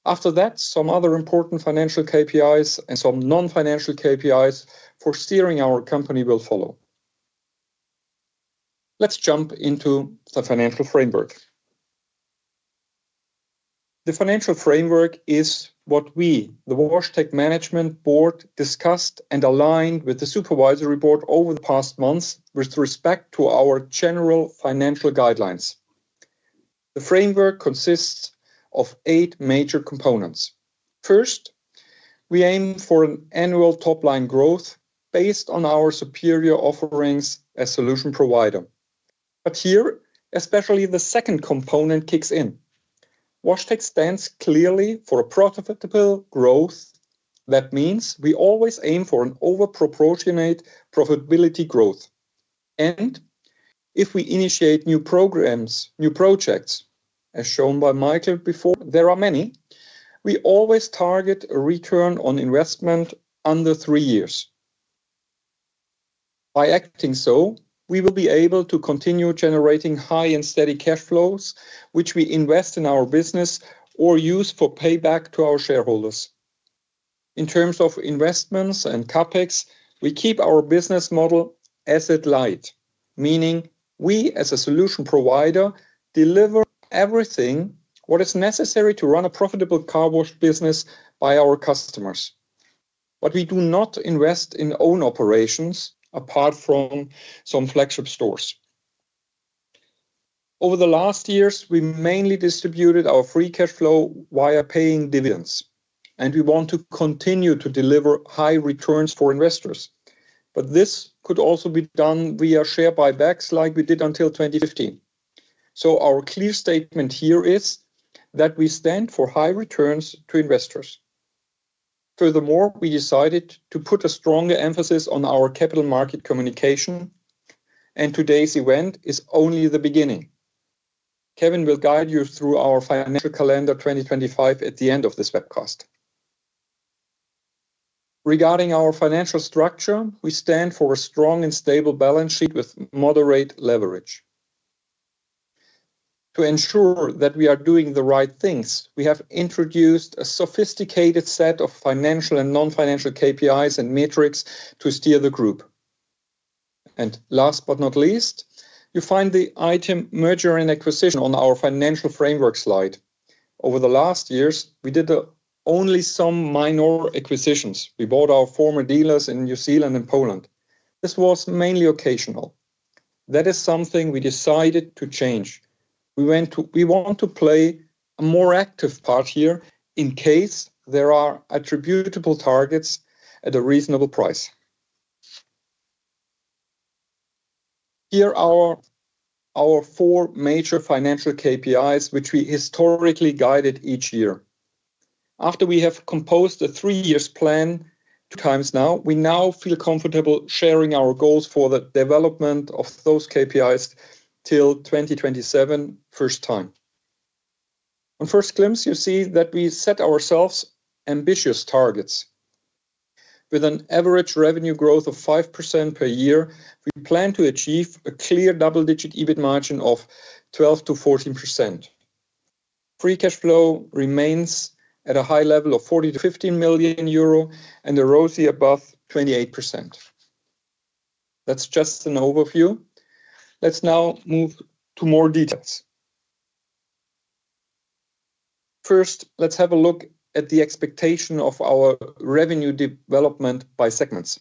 After that, some other important financial KPIs and some non-financial KPIs for steering our company will follow. Let's jump into the financial framework. The financial framework is what we, the WashTec management board, discussed and aligned with the supervisory board over the past months with respect to our general financial guidelines. The framework consists of eight major components. First, we aim for an annual top-line growth based on our superior offerings as a solution provider. Here, especially the second component kicks in. WashTec stands clearly for a profitable growth. That means we always aim for an over-proportionate profitability growth. If we initiate new programs, new projects, as shown by Michael before, there are many, we always target a return on investment under three years. By acting so, we will be able to continue generating high and steady cash flows, which we invest in our business or use for payback to our shareholders. In terms of investments and CapEx, we keep our business model asset-light, meaning we, as a solution provider, deliver everything, what is necessary to run a profitable car wash business by our customers. We do not invest in own operations apart from some flagship stores. Over the last years, we mainly distributed our free cash flow via paying dividends. We want to continue to deliver high returns for investors. This could also be done via share buybacks like we did until 2015. Our clear statement here is that we stand for high returns to investors. Furthermore, we decided to put a stronger emphasis on our capital market communication. Today's event is only the beginning. Kevin will guide you through our financial calendar 2025 at the end of this webcast. Regarding our financial structure, we stand for a strong and stable balance sheet with moderate leverage. To ensure that we are doing the right things, we have introduced a sophisticated set of financial and non-financial KPIs and metrics to steer the group. Last but not least, you find the item merger and acquisition on our financial framework slide. Over the last years, we did only some minor acquisitions. We bought our former dealers in New Zealand and Poland. This was mainly occasional. That is something we decided to change. We want to play a more active part here in case there are attributable targets at a reasonable price. Here are our four major financial KPIs, which we historically guided each year. After we have composed a three-year plan two times now, we now feel comfortable sharing our goals for the development of those KPIs till 2027, first time. On first glimpse, you see that we set ourselves ambitious targets. With an average revenue growth of 5% per year, we plan to achieve a clear double-digit EBIT margin of 12%-14%. Free cash flow remains at a high level of 40 million-15 million euro, and the ROCI above 28%. That's just an overview. Let's now move to more details. First, let's have a look at the expectation of our revenue development by segments.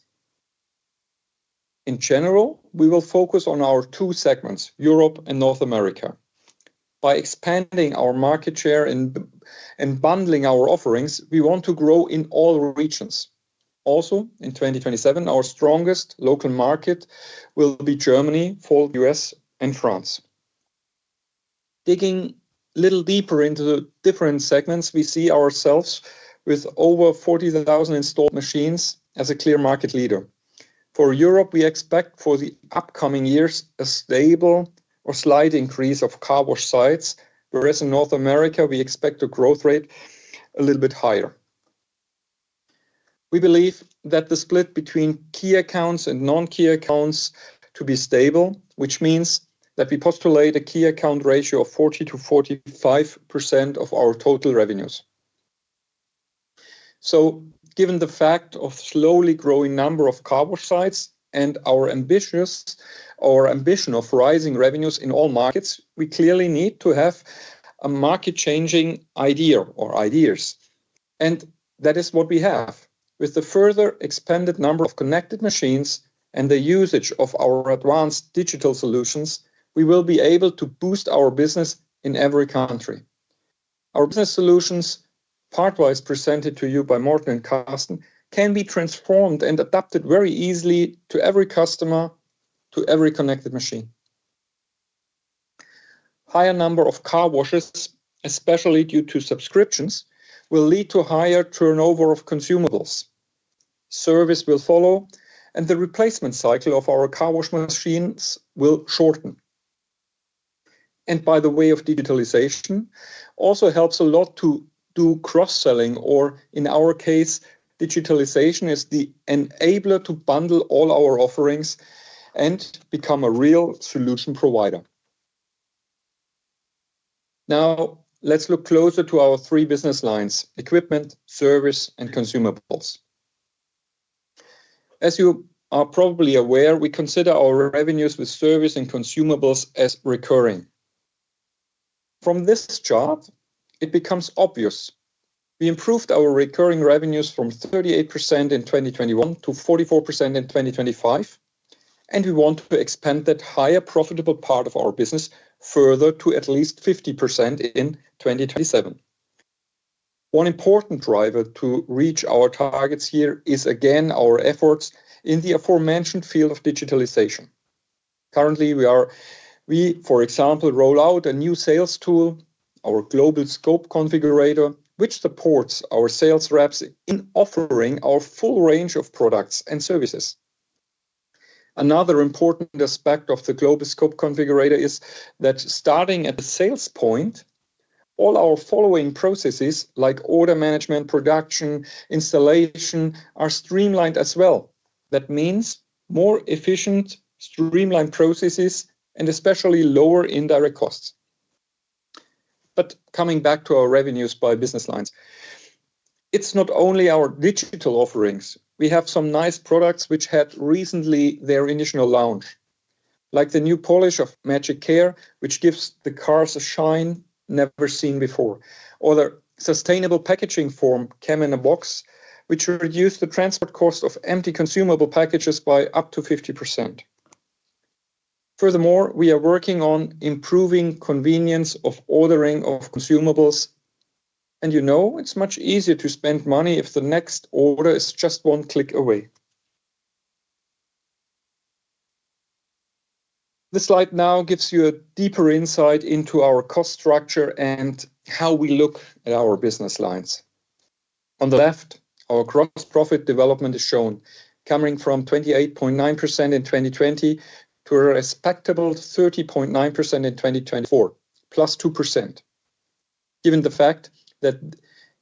In general, we will focus on our two segments, Europe and North America. By expanding our market share and bundling our offerings, we want to grow in all regions. Also, in 2027, our strongest local market will be Germany, followed by the U.S., and France. Digging a little deeper into the different segments, we see ourselves with over 40,000 installed machines as a clear market leader. For Europe, we expect for the upcoming years a stable or slight increase of car wash sites, whereas in North America, we expect a growth rate a little bit higher. We believe that the split between key accounts and non-key accounts is to be stable, which means that we postulate a key account ratio of 40%-45% of our total revenues. Given the fact of a slowly growing number of car wash sites and our ambition of rising revenues in all markets, we clearly need to have a market-changing idea or ideas. That is what we have. With the further expanded number of connected machines and the usage of our advanced digital solutions, we will be able to boost our business in every country. Our business solutions, partwise presented to you by Morten and Carsten, can be transformed and adapted very easily to every customer, to every connected machine. A higher number of car washes, especially due to subscriptions, will lead to a higher turnover of consumables. Service will follow, and the replacement cycle of our car wash machines will shorten. By the way, digitalization also helps a lot to do cross-selling, or in our case, digitalization is the enabler to bundle all our offerings and become a real solution provider. Now, let's look closer to our three business lines: equipment, service, and consumables. As you are probably aware, we consider our revenues with service and consumables as recurring. From this chart, it becomes obvious. We improved our recurring revenues from 38% in 2021 to 44% in 2025. We want to expand that higher profitable part of our business further to at least 50% in 2027. One important driver to reach our targets here is, again, our efforts in the aforementioned field of digitalization. Currently, we, for example, roll out a new sales tool, our Global Scope Configurator, which supports our sales reps in offering our full range of products and services. Another important aspect of the Global Scope Configurator is that starting at the sales point, all our following processes, like order management, production, installation, are streamlined as well. That means more efficient, streamlined processes, and especially lower indirect costs. Coming back to our revenues by business lines, it's not only our digital offerings. We have some nice products which had recently their initial launch, like the new polish of Magic Care, which gives the cars a shine never seen before. The sustainable packaging form came in a box, which reduced the transport cost of empty consumable packages by up to 50%. Furthermore, we are working on improving the convenience of ordering of consumables. You know, it's much easier to spend money if the next order is just one click away. This slide now gives you a deeper insight into our cost structure and how we look at our business lines. On the left, our gross profit development is shown, coming from 28.9% in 2020 to a respectable 30.9% in 2024, +2%. Given the fact that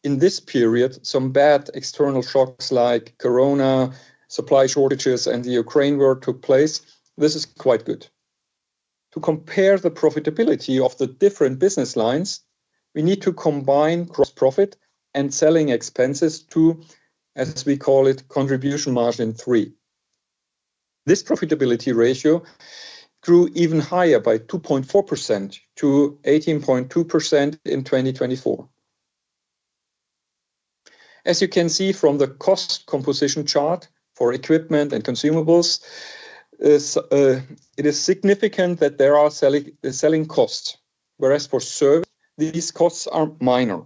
in this period, some bad external shocks like corona, supply shortages, and the Ukraine war took place, this is quite good. To compare the profitability of the different business lines, we need to combine gross profit and selling expenses to, as we call it, contribution margin three. This profitability ratio grew even higher by 2.4% to 18.2% in 2024. As you can see from the cost composition chart for equipment and consumables, it is significant that there are selling costs, whereas for service, these costs are minor.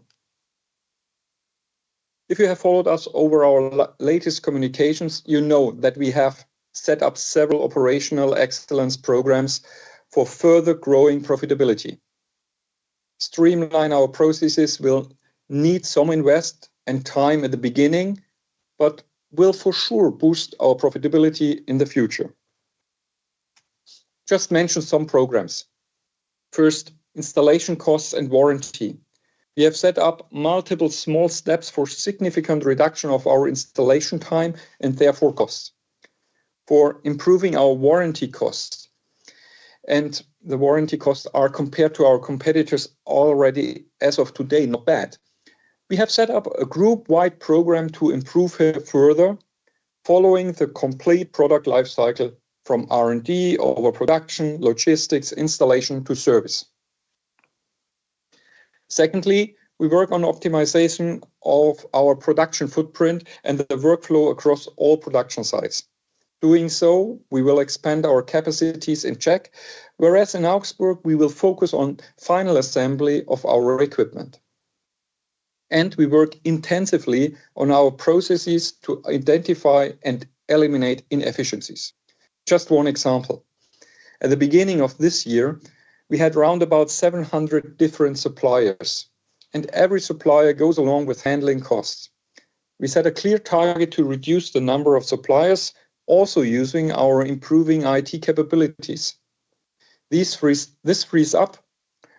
If you have followed us over our latest communications, you know that we have set up several operational excellence programs for further growing profitability. Streamlining our processes will need some investment and time at the beginning, but will for sure boost our profitability in the future. Just to mention some programs. First, installation costs and warranty. We have set up multiple small steps for a significant reduction of our installation time and therefore costs. For improving our warranty costs, and the warranty costs are compared to our competitors already, as of today, not bad. We have set up a group-wide program to improve further, following the complete product lifecycle from R&D, overproduction, logistics, installation, to service. Secondly, we work on optimization of our production footprint and the workflow across all production sites. Doing so, we will expand our capacities in Czech, whereas in Augsburg, we will focus on the final assembly of our equipment. We work intensively on our processes to identify and eliminate inefficiencies. Just one example. At the beginning of this year, we had around about 700 different suppliers. Every supplier goes along with handling costs. We set a clear target to reduce the number of suppliers, also using our improving IT capabilities. This frees up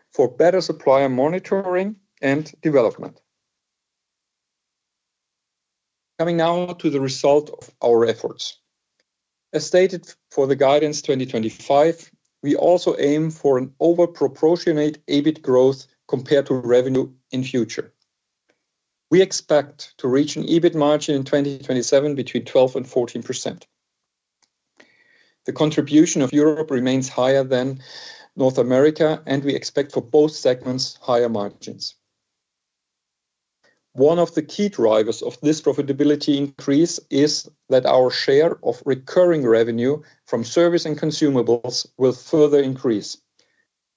for better supplier monitoring and development. Coming now to the result of our efforts. As stated for the guidance 2025, we also aim for an overproportionate EBIT growth compared to revenue in the future. We expect to reach an EBIT margin in 2027 between 12% and 14%. The contribution of Europe remains higher than North America, and we expect for both segments higher margins. One of the key drivers of this profitability increase is that our share of recurring revenue from service and consumables will further increase.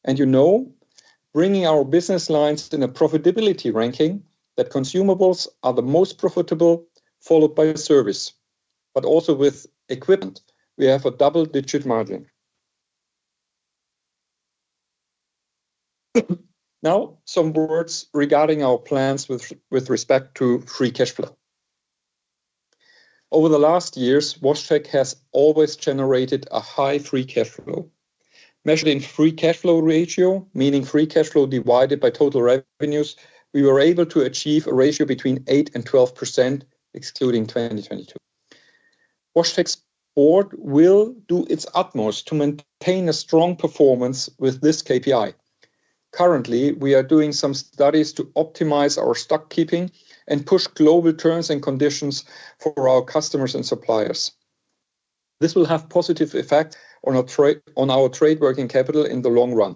You know, bringing our business lines in a profitability ranking that consumables are the most profitable, followed by service, but also with equipment, we have a double-digit margin. Now, some words regarding our plans with respect to free cash flow. Over the last years, WashTec has always generated a high free cash flow. Measured in free cash flow ratio, meaning free cash flow divided by total revenues, we were able to achieve a ratio between 8% and 12%, excluding 2022. WashTec's board will do its utmost to maintain a strong performance with this KPI. Currently, we are doing some studies to optimize our stockkeeping and push global terms and conditions for our customers and suppliers. This will have positive effects on our trade working capital in the long run.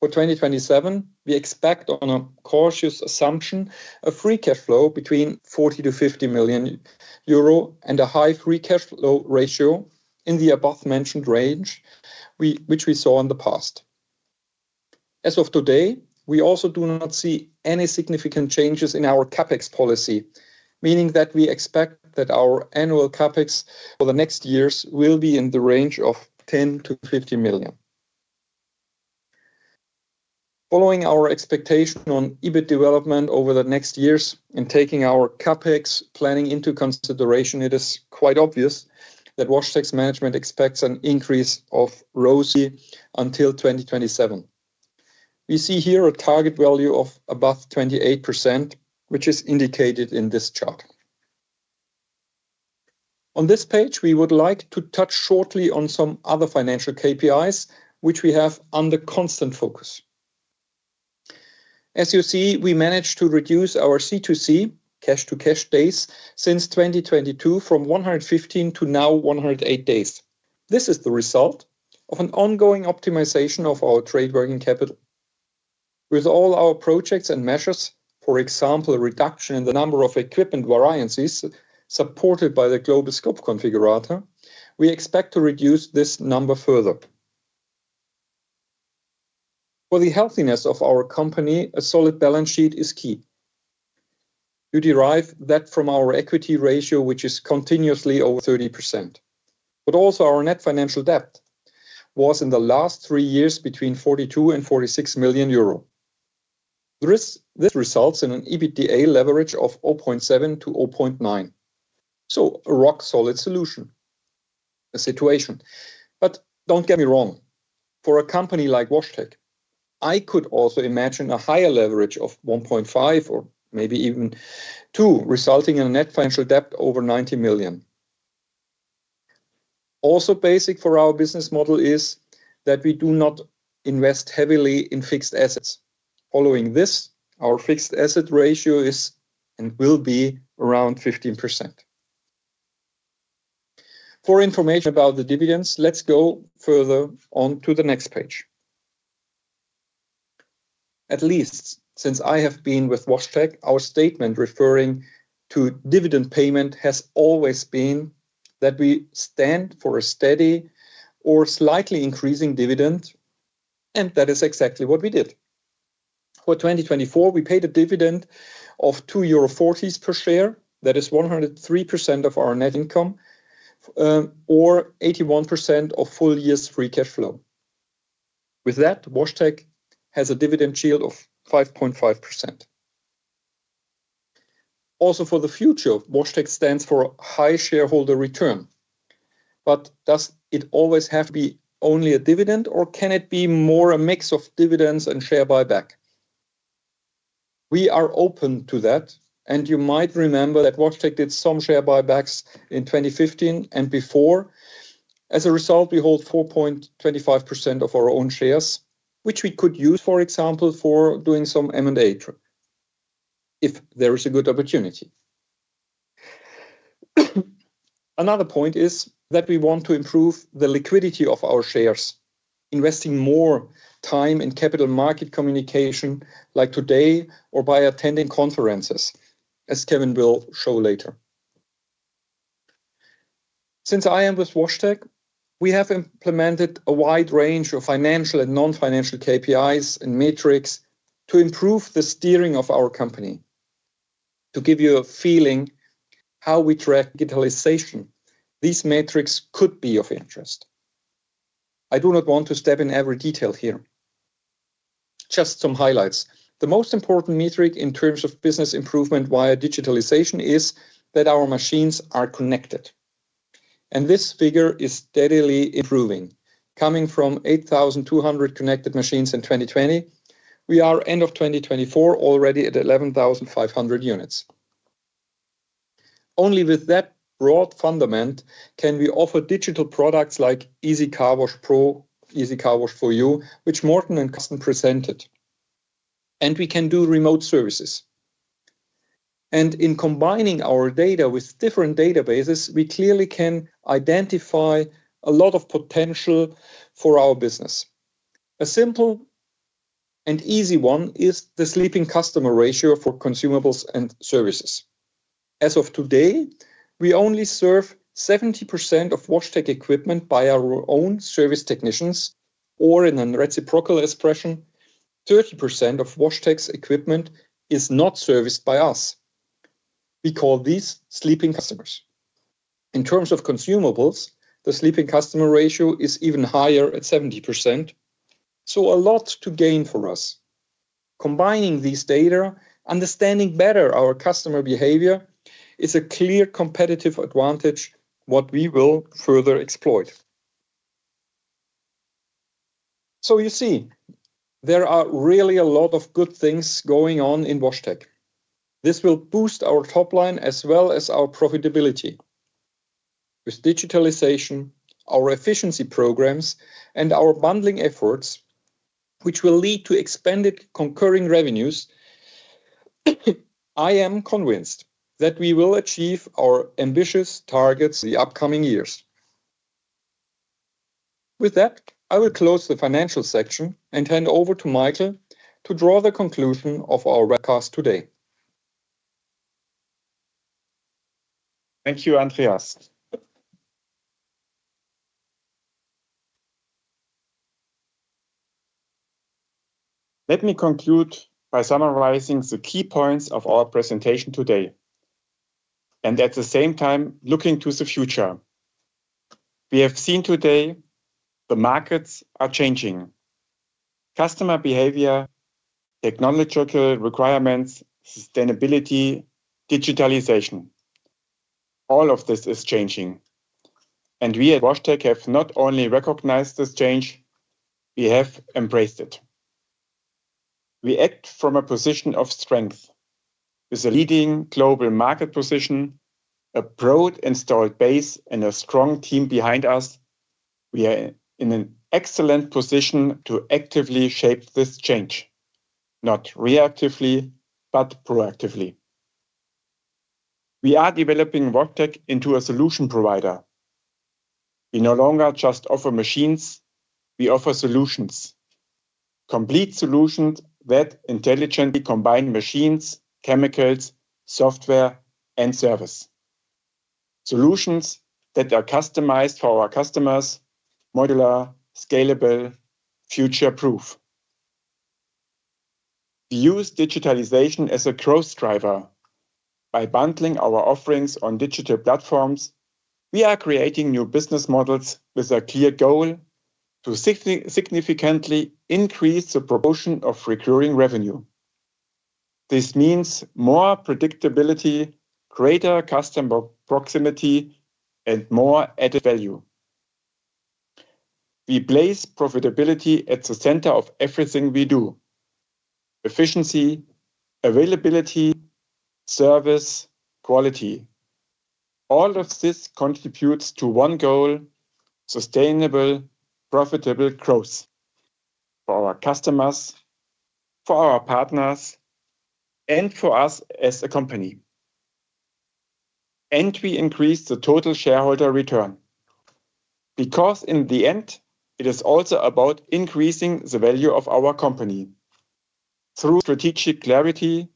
For 2027, we expect on a cautious assumption a free cash flow between 40 million-50 million euro and a high free cash flow ratio in the above-mentioned range, which we saw in the past. As of today, we also do not see any significant changes in our CapEx policy, meaning that we expect that our annual CapEx for the next years will be in the range of 10 million-50 million. Following our expectation on EBIT development over the next years and taking our CapEx Planning into consideration, it is quite obvious that WashTec's management expects an increase of royalty until 2027. We see here a target value of above 28%, which is indicated in this chart. On this page, we would like to touch shortly on some other financial KPIs, which we have under constant focus. As you see, we managed to reduce our C2C, cash-to-cash days, since 2022 from 115 to now 108 days. This is the result of an ongoing optimization of our trade working capital. With all our projects and measures, for example, a reduction in the number of equipment variances supported by the Global Scope Configurator, we expect to reduce this number further. For the healthiness of our company, a solid balance sheet is key. You derive that from our equity ratio, which is continuously over 30%. Also, our net financial debt was in the last three years between 42 million and 46 million euro. This results in an EBITDA leverage of 0.7x-0.9x. A rock-solid situation. Don't get me wrong, for a company like WashTec, I could also imagine a higher leverage of 1.5x or maybe even 2x, resulting in a net financial debt over 90 million. Also, basic for our business model is that we do not invest heavily in fixed assets. Following this, our fixed asset ratio is and will be around 15%. For information about the dividends, let's go further on to the next page. At least since I have been with WashTec, our statement referring to dividend payment has always been that we stand for a steady or slightly increasing dividend, and that is exactly what we did. For 2024, we paid a dividend of 2.40 euro per share, that is 103% of our net income or 81% of full year's free cash flow. With that, WashTec has a dividend yield of 5.5%. For the future, WashTec stands for high shareholder return. Does it always have to be only a dividend, or can it be more a mix of dividends and share buyback? We are open to that, and you might remember that WashTec did some share buybacks in 2015 and before. As a result, we hold 4.25% of our own shares, which we could use, for example, for doing some M&A if there is a good opportunity. Another point is that we want to improve the liquidity of our shares, investing more time in capital market communication like today or by attending conferences, as Kevin will show later. Since I am with WashTec, we have implemented a wide range of financial and non-financial KPIs and metrics to improve the steering of our company. To give you a feeling of how we track digitalization, these metrics could be of interest. I do not want to step in every detail here. Just some highlights. The most important metric in terms of business improvement via digitalization is that our machines are connected. This figure is steadily improving. Coming from 8,200 connected machines in 2020, we are end of 2024 already at 11,500 units. Only with that broad fundament can we offer digital products like EasyCarWash PRO, EasyCarWash 4U, which Morten and Carsten presented. We can do remote services. In combining our data with different databases, we clearly can identify a lot of potential for our business. A simple and easy one is the sleeping customer ratio for consumables and services. As of today, we only serve 70% of WashTec equipment by our own service technicians, or in a reciprocal expression, 30% of WashTec's equipment is not serviced by us. We call these sleeping customers. In terms of consumables, the sleeping customer ratio is even higher at 70%. A lot to gain for us. Combining these data, understanding better our customer behavior is a clear competitive advantage, what we will further exploit. You see, there are really a lot of good things going on in WashTec. This will boost our top line as well as our profitability. With digitalization, our efficiency programs, and our bundling efforts, which will lead to expanded recurring revenues, I am convinced that we will achieve our ambitious targets in the upcoming years. With that, I will close the financial section and hand over to Michael to draw the conclusion of our webcast today. Thank you, Andreas. Let me conclude by summarizing the key points of our presentation today. At the same time, looking to the future. We have seen today the markets are changing. Customer behavior, technological requirements, sustainability, digitalization. All of this is changing. We at WashTec have not only recognized this change, we have embraced it. We act from a position of strength. With a leading global market position, a broad installed base, and a strong team behind us, we are in an excellent position to actively shape this change. Not reactively, but proactively. We are developing WashTec into a solution provider. We no longer just offer machines, we offer solutions. Complete solutions that intelligently combine machines, chemicals, software, and service. Solutions that are customized for our customers, modular, scalable, future-proof. We use digitalization as a cross-driver. By bundling our offerings on digital platforms, we are creating new business models with a clear goal to significantly increase the proportion of recurring revenue. This means more predictability, greater customer proximity, and more added value. We place profitability at the center of everything we do. Efficiency, availability, service, quality. All of this contributes to one goal: sustainable, profitable growth for our customers, for our partners, and for us as a company. We increase the total shareholder return because in the end, it is also about increasing the value of our company through strategic clarity,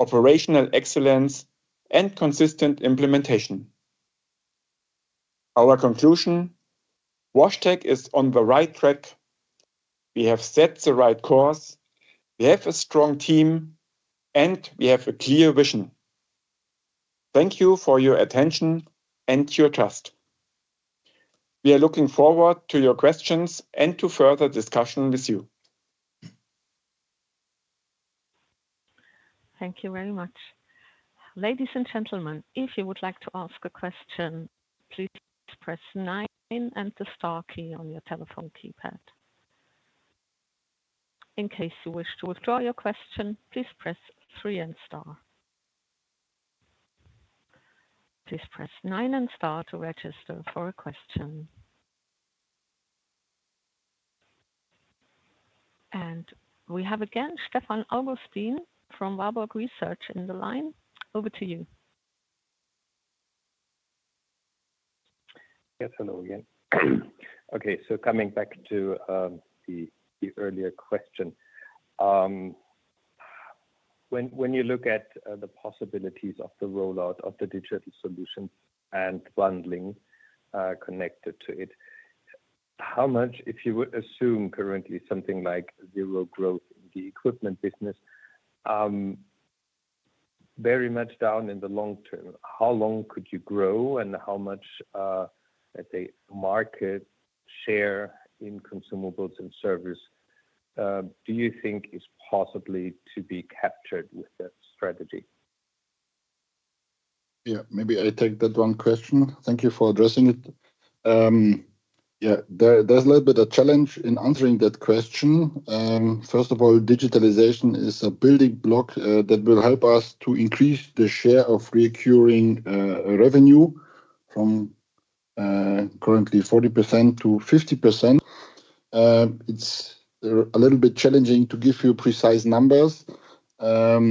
operational excellence, and consistent implementation. Our conclusion: WashTec is on the right track. We have set the right course. We have a strong team, and we have a clear vision. Thank you for your attention and your trust. We are looking forward to your questions and to further discussion with you. Thank you very much. Ladies and gentlemen, if you would like to ask a question, please press nine and the star key on your telephone keypad. In case you wish to withdraw your question, please press three and star. Please press nine and star to register for a question. We have again Stephan Augustin from Warburg Research in the line. Over to you. Yes, hello again. Okay, coming back to the earlier question. When you look at the possibilities of the rollout of the digital solutions and bundling connected to it, how much, if you would assume currently something like zero growth in the equipment business, very much down in the long term, how long could you grow and how much, let's say, market share in consumables and service do you think is possibly to be captured with that strategy? Maybe I take that one question. Thank you for addressing it. There's a little bit of a challenge in answering that question. First of all, digitalization is a building block that will help us to increase the share of recurring revenue from currently 40%-50%. It's a little bit challenging to give you precise numbers about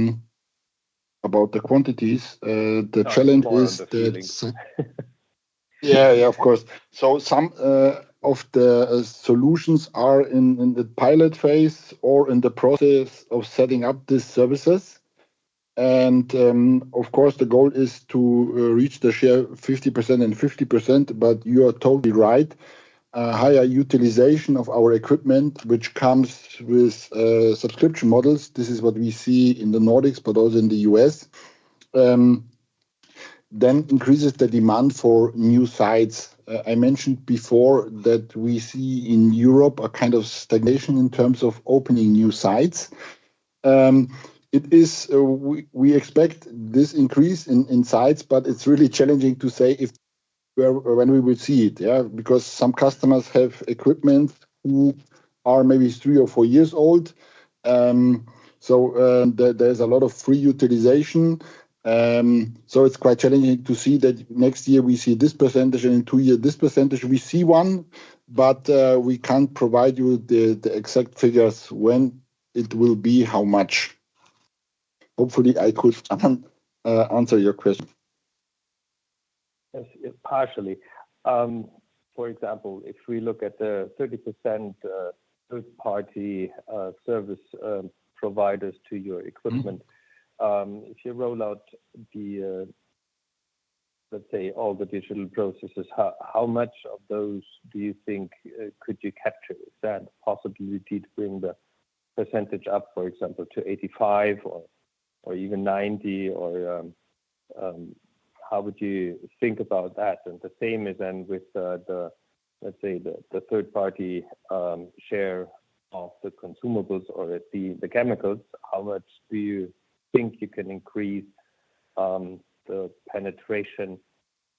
the quantities. The challenge is that... Yeah, of course. Some of the solutions are in the pilot phase or in the process of setting up these services. Of course, the goal is to reach the share of 50% and 50%, but you are totally right. Higher utilization of our equipment, which comes with subscription models, is what we see in the Nordics but also in the U.S. This increases the demand for new sites. I mentioned before that we see in Europe a kind of stagnation in terms of opening new sites. We expect this increase in sites, but it's really challenging to say when we will see it because some customers have equipment that is maybe three or four years old. There is a lot of free utilization, so it's quite challenging to see that next year we see this percentage and in two years this percentage. We see one, but we can't provide you with the exact figures when it will be how much. Hopefully, I could answer your question. Yes, partially. For example, if we look at the 30% third-party service providers to your equipment, if you roll out all the digital processes, how much of those do you think could you capture? Is there a possibility to bring the percentage up, for example, to 85% or even 90%? How would you think about that? The same is with the third-party share of the consumables or the chemicals. How much do you think you can increase the penetration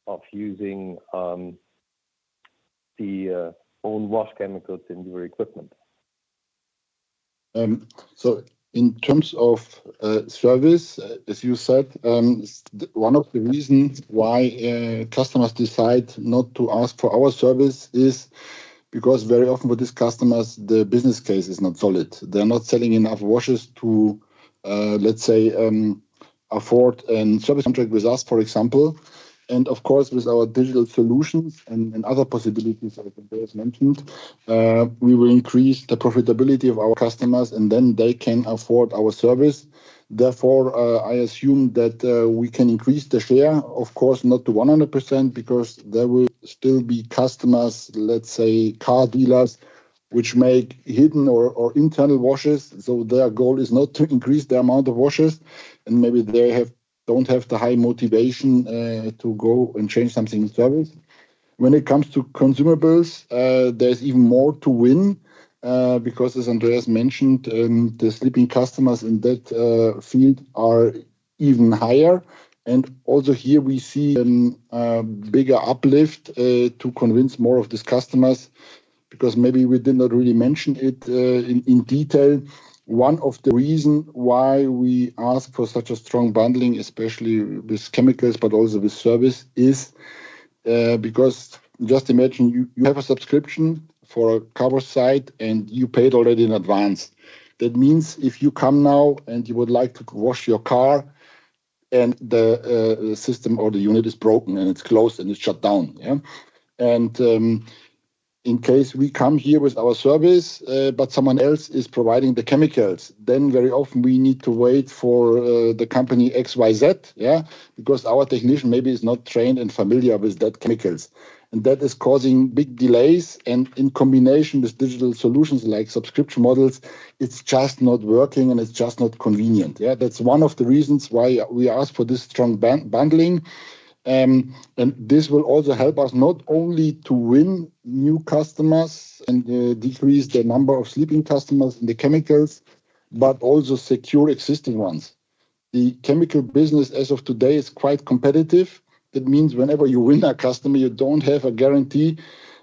of using the own wash chemicals in your equipment? In terms of service, as you said, one of the reasons why customers decide not to ask for our service is because very often with these customers, the business case is not solid. They're not selling enough washes to, let's say, afford a service contract with us, for example. Of course, with our digital solutions and other possibilities that I mentioned, we will increase the profitability of our customers, and then they can afford our service. Therefore, I assume that we can increase the share, of course, not to 100% because there will still be customers, let's say, car dealers, which make hidden or internal washes. Their goal is not to increase the amount of washes, and maybe they don't have the high motivation to go and change something in service. When it comes to consumables, there's even more to win because, as Andreas mentioned, the sleeping customers in that field are even higher. Also here we see a bigger uplift to convince more of these customers because maybe we did not really mention it in detail. One of the reasons why we ask for such a strong bundling, especially with chemicals, but also with service, is because just imagine you have a subscription for a car wash site and you paid already in advance. That means if you come now and you would like to wash your car and the system or the unit is broken and it's closed and it's shut down. In case we come here with our service, but someone else is providing the chemicals, then very often we need to wait for the company XYZ because our technician maybe is not trained and familiar with that chemical. That is causing big delays. In combination with digital solutions like subscription models, it's just not working and it's just not convenient. That's one of the reasons why we ask for this strong bundling. This will also help us not only to win new customers and decrease the number of sleeping customers in the chemicals, but also secure existing ones. The chemical business as of today is quite competitive. That means whenever you win a customer, you don't have a guarantee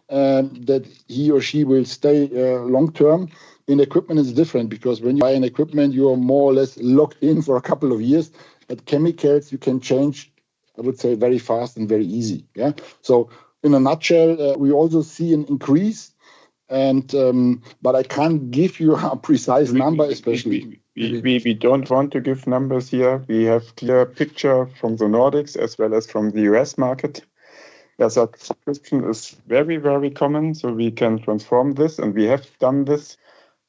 that he or she will stay long term. In equipment, it's different because when you buy an equipment, you are more or less locked in for a couple of years. At chemicals, you can change, I would say, very fast and very easy. In a nutshell, we also see an increase, but I can't give you a precise number, especially. We don't want to give numbers here. We have a clear picture from the Nordics as well as from the U.S. market. Yeah, subscription is very, very common. We can transform this, and we have done this,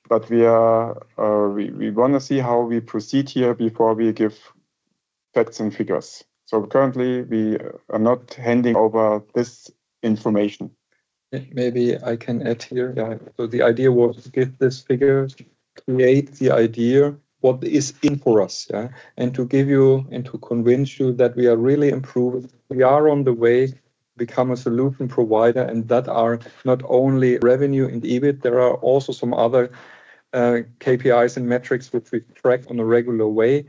but we want to see how we proceed here before we give facts and figures. Currently, we are not handing over this information. Maybe I can add here. Yeah, the idea was to give this figure, create the idea, what is in for us, yeah, and to give you and to convince you that we are really improving. We are on the way to become a solution provider and that are not only revenue in the EBIT. There are also some other KPIs and metrics which we track in a regular way.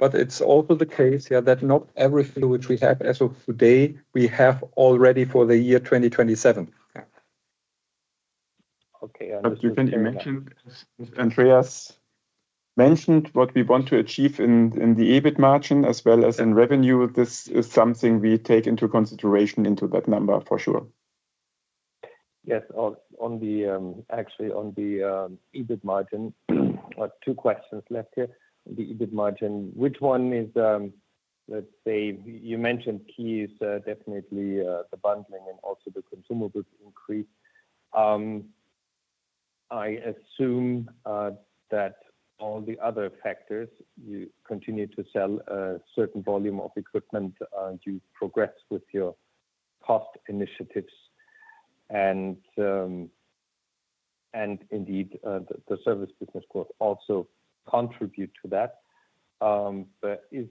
It's also the case, yeah, that not everything which we have as of today, we have already for the year 2027. Okay, Andreas mentioned what we want to achieve in the EBIT margin as well as in revenue. This is something we take into consideration into that number for sure. Yes, actually on the EBIT margin, two questions left here on the EBIT margin. One is, let's say, you mentioned keys, definitely the bundling and also the consumables increase. I assume that all the other factors, you continue to sell a certain volume of equipment, you progress with your cost initiatives, and indeed the service business quote also contributes to that. Is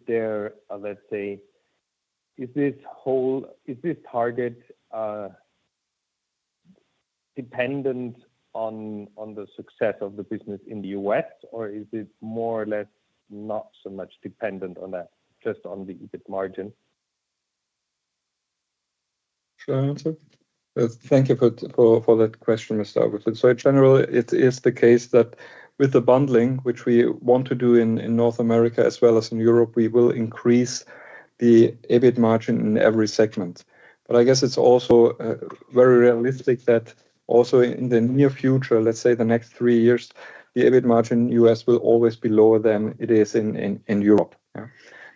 this target dependent on the success of the business in the U.S., or is it more or less not so much dependent on that, just on the EBIT margin? Thank you for that question, Mr. Augustin. Generally, it is the case that with the bundling, which we want to do in North America as well as in Europe, we will increase the EBIT margin in every segment. I guess it's also very realistic that also in the near future, let's say the next three years, the EBIT margin in the U.S. will always be lower than it is in Europe.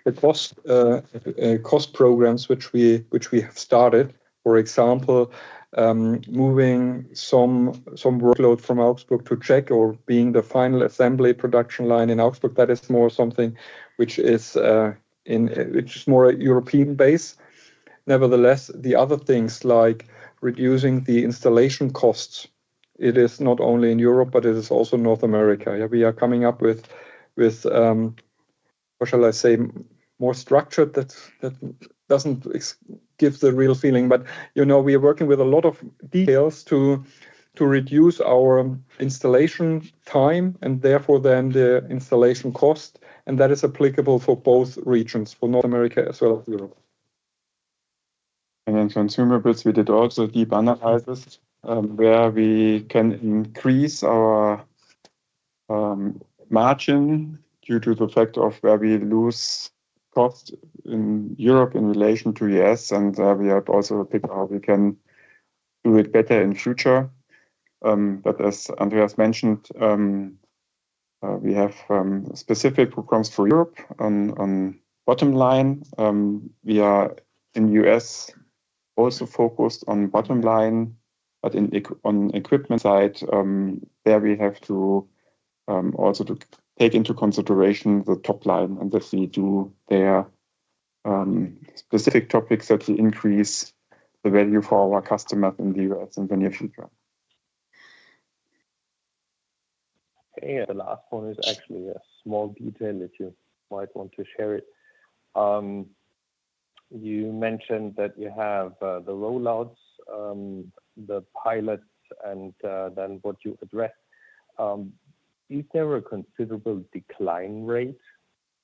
The cost programs which we have started, for example, moving some workload from Augsburg to Czech or being the final assembly production line in Augsburg, that is more something which is more European-based. Nevertheless, the other things like reducing the installation costs, it is not only in Europe, but it is also in North America. We are coming up with, or shall I say, more structured, that doesn't give the real feeling, but you know we are working with a lot of details to reduce our installation time and therefore then the installation cost, and that is applicable for both regions, for North America as well as Europe. In consumables, we did also deep analyze where we can increase our margin due to the fact of where we lose cost in Europe in relation to the U.S., and we have also picked out how we can do it better in the future. As Andreas mentioned, we have specific programs for Europe on bottom line. We are in the U.S. also focused on bottom line, but on the equipment side, we have to also take into consideration the top line, and that we do their specific topics that we increase the value for our customers in the U.S. in the near future. Okay, the last one is actually a small detail that you might want to share. You mentioned that you have the rollouts, the pilots, and then what you addressed. Is there a considerable decline rate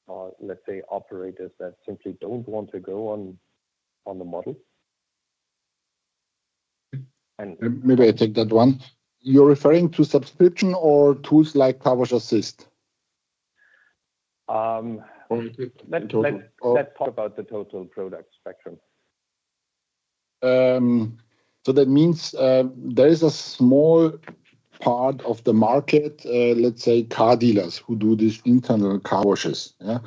or, let's say, operators that simply don't want to go on the model? Maybe I take that one. You're referring to subscription or tools like CarWash Assist? Let's talk about the total product spectrum. That means there is a small part of the market, let's say, car dealers who do these internal car washes. Yeah,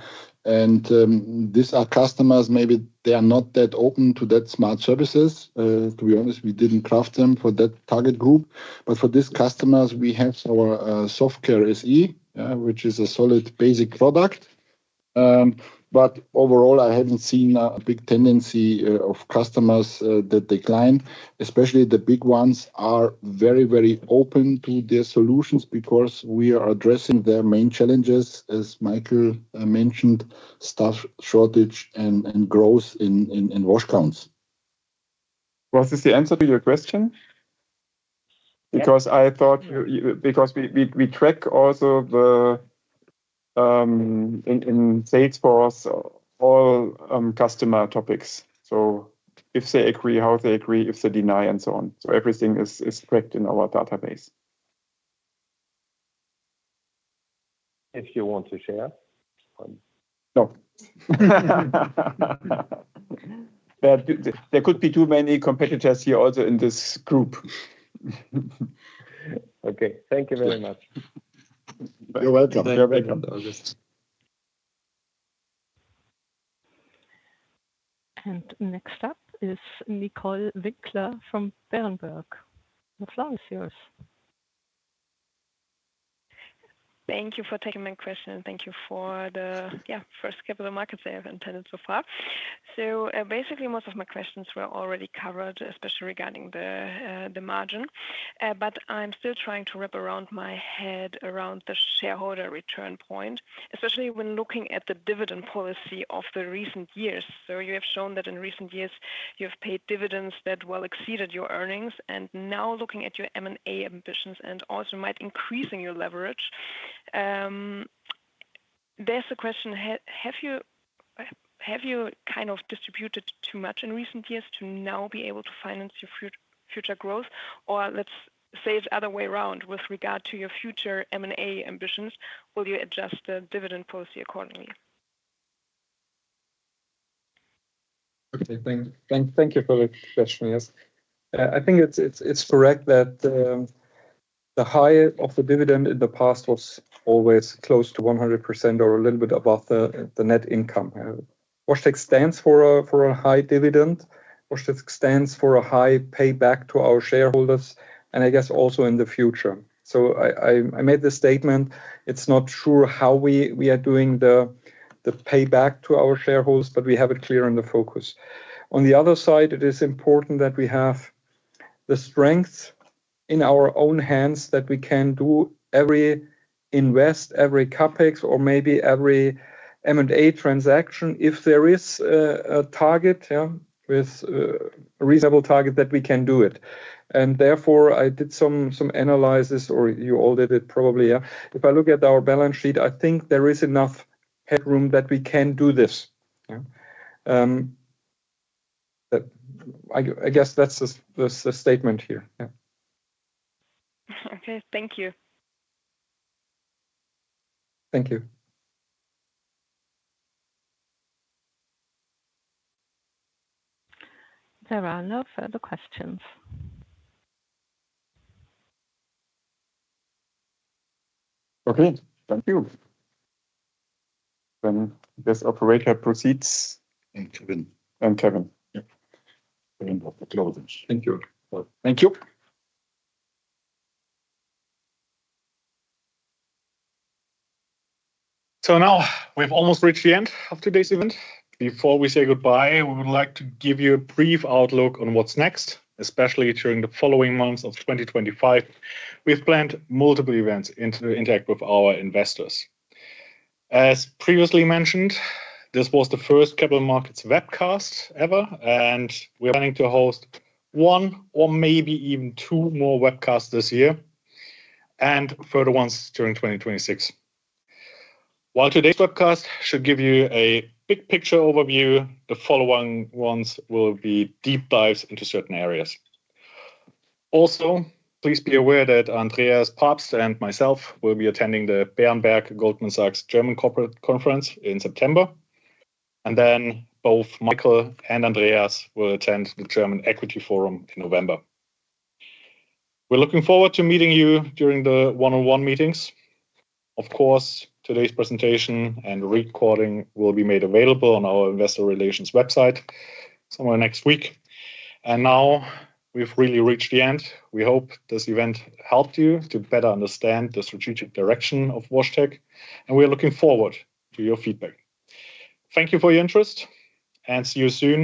and these are customers, maybe they are not that open to that smart services. To be honest, we didn't craft them for that target group. For these customers, we have our SoftCare SE, which is a solid basic product. Overall, I haven't seen a big tendency of customers that decline. Especially the big ones are very, very open to their solutions because we are addressing their main challenges, as Michael mentioned, staff shortage and growth in wash counts. Was this the answer to your question? I thought, because we track also in Salesforce all customer topics. If they agree, how they agree, if they deny, and so on, everything is tracked in our database. If you want to share. No. There could be too many competitors here also in this group. Okay, thank you very much. You're welcome. You're welcome. Next up is Nicole Winkler from Berenberg. The floor is yours. Thank you for taking my question. Thank you for the, yeah, first capital markets I have attended so far. Basically, most of my questions were already covered, especially regarding the margin. I'm still trying to wrap my head around the shareholder return point, especially when looking at the dividend policy of the recent years. You have shown that in recent years, you have paid dividends that well exceeded your earnings. Now, looking at your M&A ambitions and also might increase your leverage, there's the question, have you kind of distributed too much in recent years to now be able to finance your future growth? Let's say it the other way around. With regard to your future M&A ambitions, will you adjust the dividend policy accordingly? Okay, thank you for the question, yes. I think it's correct that the high of the dividend in the past was always close to 100% or a little bit above the net income. WashTec stands for a high dividend. WashTec stands for a high payback to our shareholders, and I guess also in the future. I made this statement. It's not sure how we are doing the payback to our shareholders, but we have it clear in the focus. On the other side, it is important that we have the strength in our own hands that we can do every invest, every CapEx, or maybe every M&A transaction if there is a target, with a reasonable target that we can do it. Therefore, I did some analysis, or you all did it probably. If I look at our balance sheet, I think there is enough headroom that we can do this. I guess that's the statement here. Okay, thank you. Thank you. There are no further questions. Okay, thank you. This operator proceeds. And Kevin. And Kevin. Yeah, the end of the closing. Thank you. Thank you. Now we've almost reached the end of today's event. Before we say goodbye, we would like to give you a brief outlook on what's next, especially during the following months of 2025. We've planned multiple events to interact with our investors. As previously mentioned, this was the first capital markets webcast ever, and we're planning to host one or maybe even two more webcasts this year and further ones during 2026. While today's webcast should give you a big picture overview, the following ones will be deep dives into certain areas. Also, please be aware that Andreas Pabst and myself will be attending the Berenberg Goldman Sachs German Corporate Conference in September. Both Michael Drolshagen and Andreas will attend the German Equity Forum in November. We're looking forward to meeting you during the one-on-one meetings. Of course, today's presentation and recording will be made available on our Investor Relations website somewhere next week. Now we've really reached the end. We hope this event helped you to better understand the strategic direction of WashTec AG, and we're looking forward to your feedback. Thank you for your interest, and see you soon.